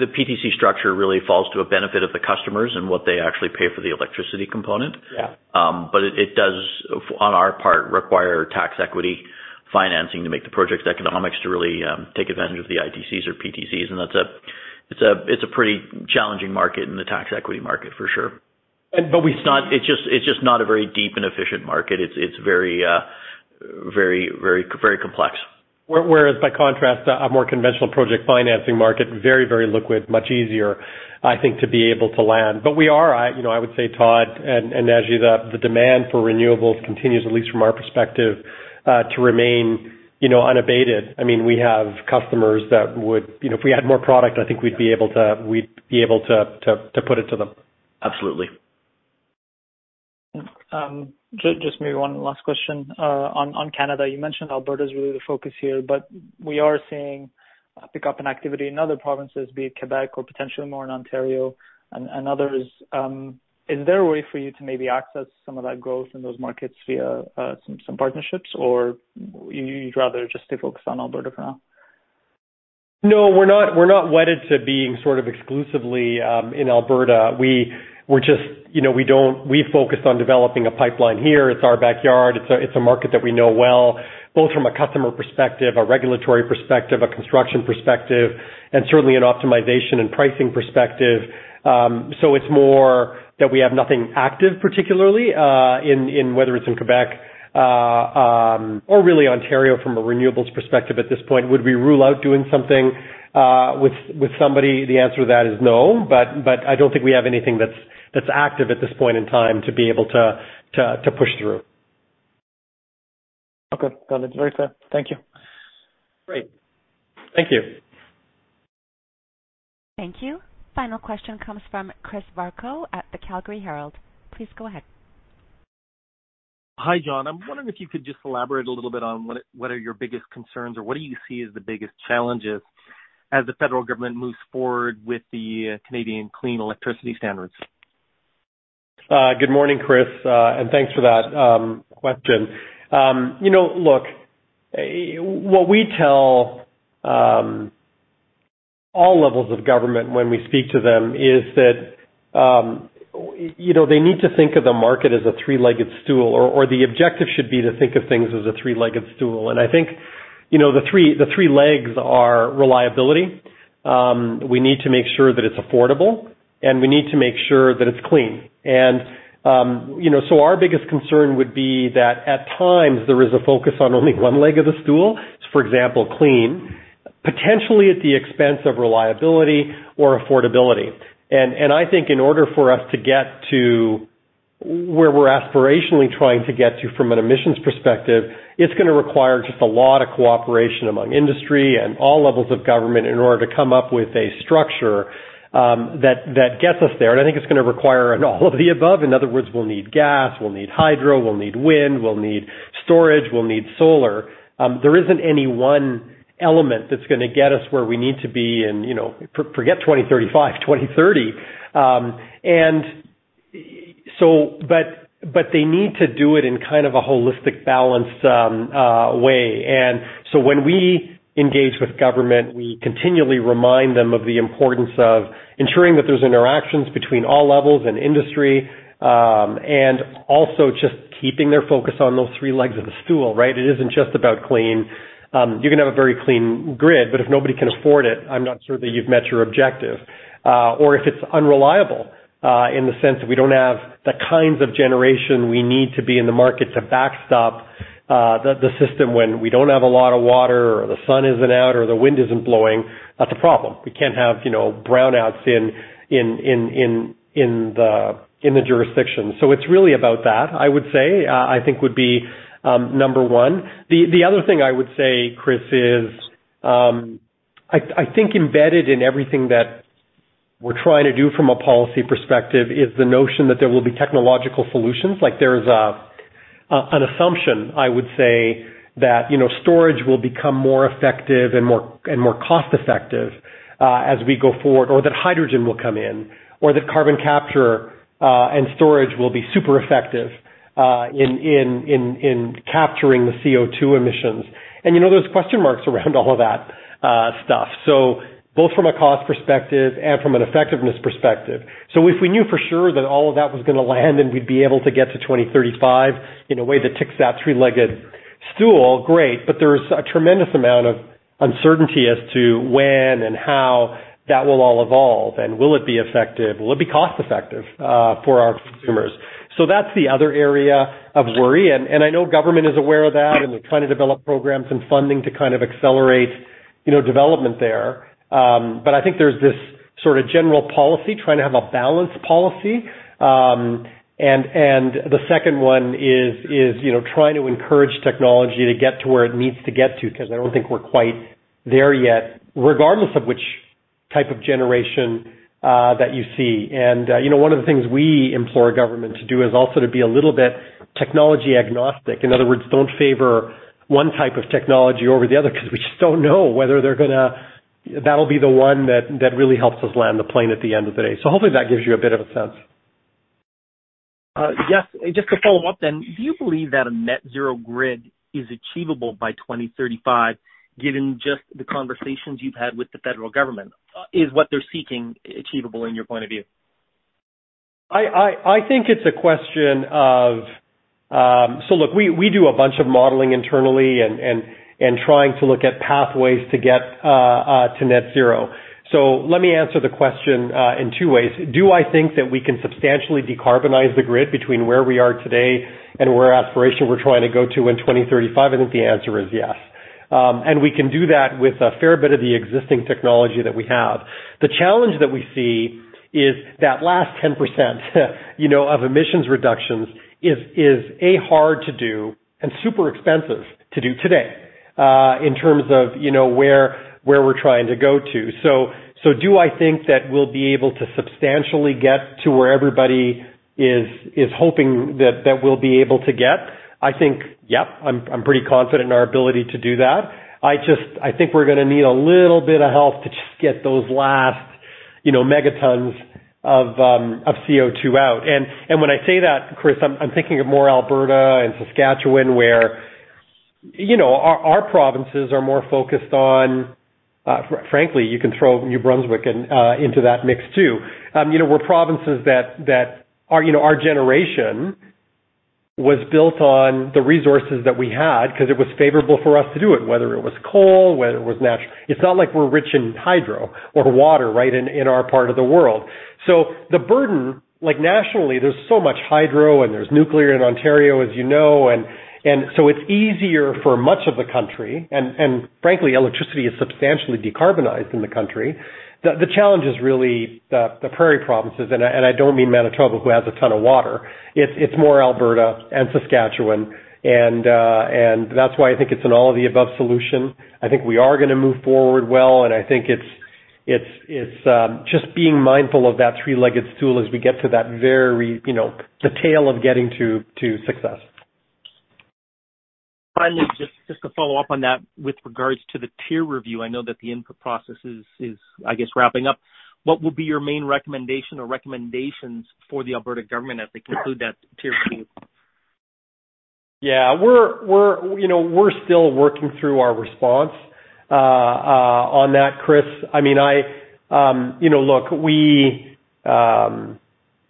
the PTC structure really falls to a benefit of the customers and what they actually pay for the electricity component. Yeah. It does on our part require tax equity financing to make the project's economics to really take advantage of the ITCs or PTCs. It's a pretty challenging market in the tax equity market for sure. And but we- It's just not a very deep and efficient market. It's very complex. Whereas by contrast, a more conventional project financing market, very liquid, much easier, I think, to be able to land. You know, I would say, Todd and as you. The demand for renewables continues, at least from our perspective, to remain, you know, unabated. I mean, we have customers that would, you know, if we had more product, I think we'd be able to put it to them. Absolutely. Just maybe one last question on Canada. You mentioned Alberta is really the focus here, but we are seeing a pickup in activity in other provinces, be it Quebec or potentially more in Ontario and others. Is there a way for you to maybe access some of that growth in those markets via some partnerships? Or you'd rather just stay focused on Alberta for now? No, we're not wedded to being sort of exclusively in Alberta. We're just, you know. We focused on developing a pipeline here. It's our backyard. It's a market that we know well, both from a customer perspective, a regulatory perspective, a construction perspective, and certainly an optimization and pricing perspective. So, it's more that we have nothing active, particularly in whether it's in Quebec or really Ontario from a renewables perspective at this point. Would we rule out doing something with somebody? The answer to that is no. I don't think we have anything that's active at this point in time to be able to push through. Okay. Got it. Very fair. Thank you. Great. Thank you. Thank you. Final question comes from Chris Varcoe at the Calgary Herald. Please go ahead. Hi, John. I'm wondering if you could just elaborate a little bit on what are your biggest concerns or what do you see as the biggest challenges as the federal government moves forward with the Canadian Clean Electricity Standard? Good morning, Chris, and thanks for that question. You know, look, what we tell all levels of government when we speak to them is that, you know, they need to think of the market as a three-legged stool, or the objective should be to think of things as a three-legged stool. I think, you know, the three legs are reliability. We need to make sure that it's affordable, and we need to make sure that it's clean. You know, so our biggest concern would be that at times there is a focus on only one leg of the stool, for example, clean, potentially at the expense of reliability or affordability. I think in order for us to get to where we're aspirationally trying to get to from an emissions perspective, it's gonna require just a lot of cooperation among industry and all levels of government in order to come up with a structure that gets us there. I think it's gonna require an all of the above. In other words, we'll need gas, we'll need hydro, we'll need wind, we'll need storage, we'll need solar. There isn't any one element that's gonna get us where we need to be in, you know, forget 2035, 2030. But they need to do it in kind of a holistic balanced way. When we engage with government, we continually remind them of the importance of ensuring that there's interactions between all levels and industry, and also just keeping their focus on those three legs of the stool, right? It isn't just about clean. You can have a very clean grid, but if nobody can afford it, I'm not sure that you've met your objective. Or if it's unreliable, in the sense that we don't have the kinds of generation we need to be in the market to backstop the system when we don't have a lot of water or the sun isn't out or the wind isn't blowing, that's a problem. We can't have, you know, brownouts in the jurisdiction. It's really about that, I would say, I think would be number one. The other thing I would say, Chris, is I think embedded in everything that we're trying to do from a policy perspective is the notion that there will be technological solutions. Like, there's an assumption, I would say, that you know, storage will become more effective and more cost-effective as we go forward, or that hydrogen will come in, or that carbon capture and storage will be super effective in capturing the CO2 emissions. And you know, there's question marks around all of that stuff. Both from a cost perspective and from an effectiveness perspective. If we knew for sure that all of that was gonna land and we'd be able to get to 2035 in a way that ticks that three-legged stool, great. There's a tremendous amount of uncertainty as to when and how that will all evolve and will it be effective? Will it be cost-effective for our consumers? That's the other area of worry. I know government is aware of that, and they're trying to develop programs and funding to kind of accelerate, you know, development there. I think there's this sort of general policy, trying to have a balanced policy. The second one is, you know, trying to encourage technology to get to where it needs to get to, because I don't think we're quite there yet, regardless of which type of generation that you see. You know, one of the things we implore government to do is also to be a little bit technology agnostic. In other words, don't favor one type of technology over the other because we just don't know whether that'll be the one that really helps us land the plane at the end of the day. Hopefully that gives you a bit of a sense. Just to follow up, do you believe that a net-zero grid is achievable by 2035, given just the conversations you've had with the federal government? Is what they're seeking achievable in your point of view? I think it's a question of. So, look, we do a bunch of modeling internally and trying to look at pathways to get to net zero. Let me answer the question in two ways. Do I think that we can substantially decarbonize the grid between where we are today and where the aspiration we're trying to go to in 2035? I think the answer is yes. We can do that with a fair bit of the existing technology that we have. The challenge that we see is that last 10%, you know, of emissions reductions is hard to do and super expensive to do today, in terms of, you know, where we're trying to go to. Do I think that we'll be able to substantially get to where everybody is hoping that we'll be able to get? I think, yep, I'm pretty confident in our ability to do that. I just think we're gonna need a little bit of help to just get those last, you know, megatons of CO2 out. When I say that, Chris, I'm thinking of more Alberta and Saskatchewan, where, you know, our provinces are more focused on, frankly, you can throw New Brunswick into that mix too. You know, we're provinces that our generation was built on the resources that we had because it was favorable for us to do it, whether it was coal, whether it was natural. It's not like we're rich in hydro or water, right, in our part of the world. So the burden, like nationally, there's so much hydro and there's nuclear in Ontario, as you know, so it's easier for much of the country. Frankly, electricity is substantially decarbonized in the country. The challenge is really the prairie provinces, and I don't mean Manitoba, who has a ton of water. It's more Alberta and Saskatchewan. That's why I think it's an all-of-the-above solution. I think we are gonna move forward well, and I think it's just being mindful of that three-legged stool as we get to that very, you know, the tail of getting to success. Finally, just to follow up on that with regards to the TIER review. I know that the input process is, I guess, wrapping up. What would be your main recommendation or recommendations for the Alberta government as they conclude that TIER review? Yeah. We're you know, we're still working through our response on that, Chris. I mean you know, look, we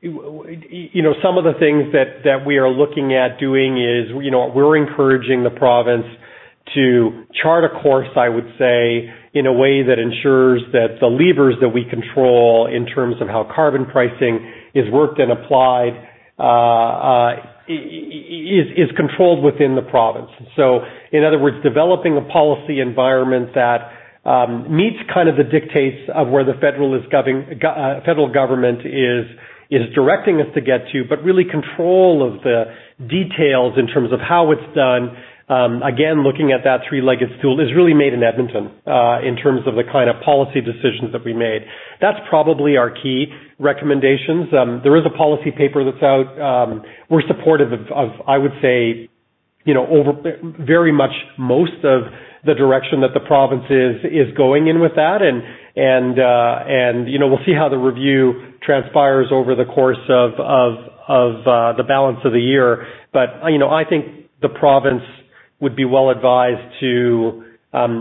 you know, some of the things that we are looking at doing is, you know, we're encouraging the province to chart a course, I would say, in a way that ensures that the levers that we control in terms of how carbon pricing is worked and applied, is controlled within the province. In other words, developing a policy environment that meets kind of the dictates of where the federal government is directing us to get to. Really control of the details in terms of how it's done, again, looking at that three-legged stool, is really made in Edmonton, in terms of the kind of policy decisions that we made. That's probably our key recommendations. There is a policy paper that's out. We're supportive of, I would say, you know, very much most of the direction that the province is going in with that. You know, we'll see how the review transpires over the course of the balance of the year. You know, I think the province would be well advised to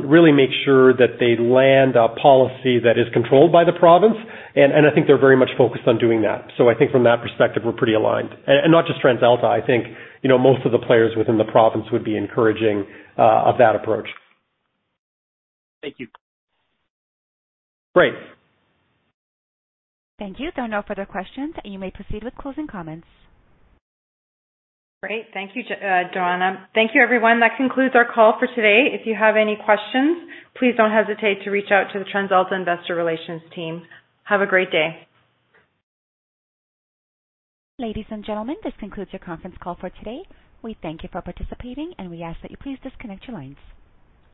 really make sure that they land a policy that is controlled .y the province. I think they're very much focused on doing that. I think from that perspective, we're pretty aligned. Not just TransAlta. I think, you know, most of the players within the province would be encouraging of that approach. Thank you. Great. Thank you. There are no further questions. You may proceed with closing comments. Great. Thank you, Joanna. Thank you, everyone. That concludes our call for today. If you have any questions, please don't hesitate to reach out to the TransAlta investor relations team. Have a great day. Ladies and gentlemen, this concludes your conference call for today. We thank you for participating, and we ask that you please disconnect your lines.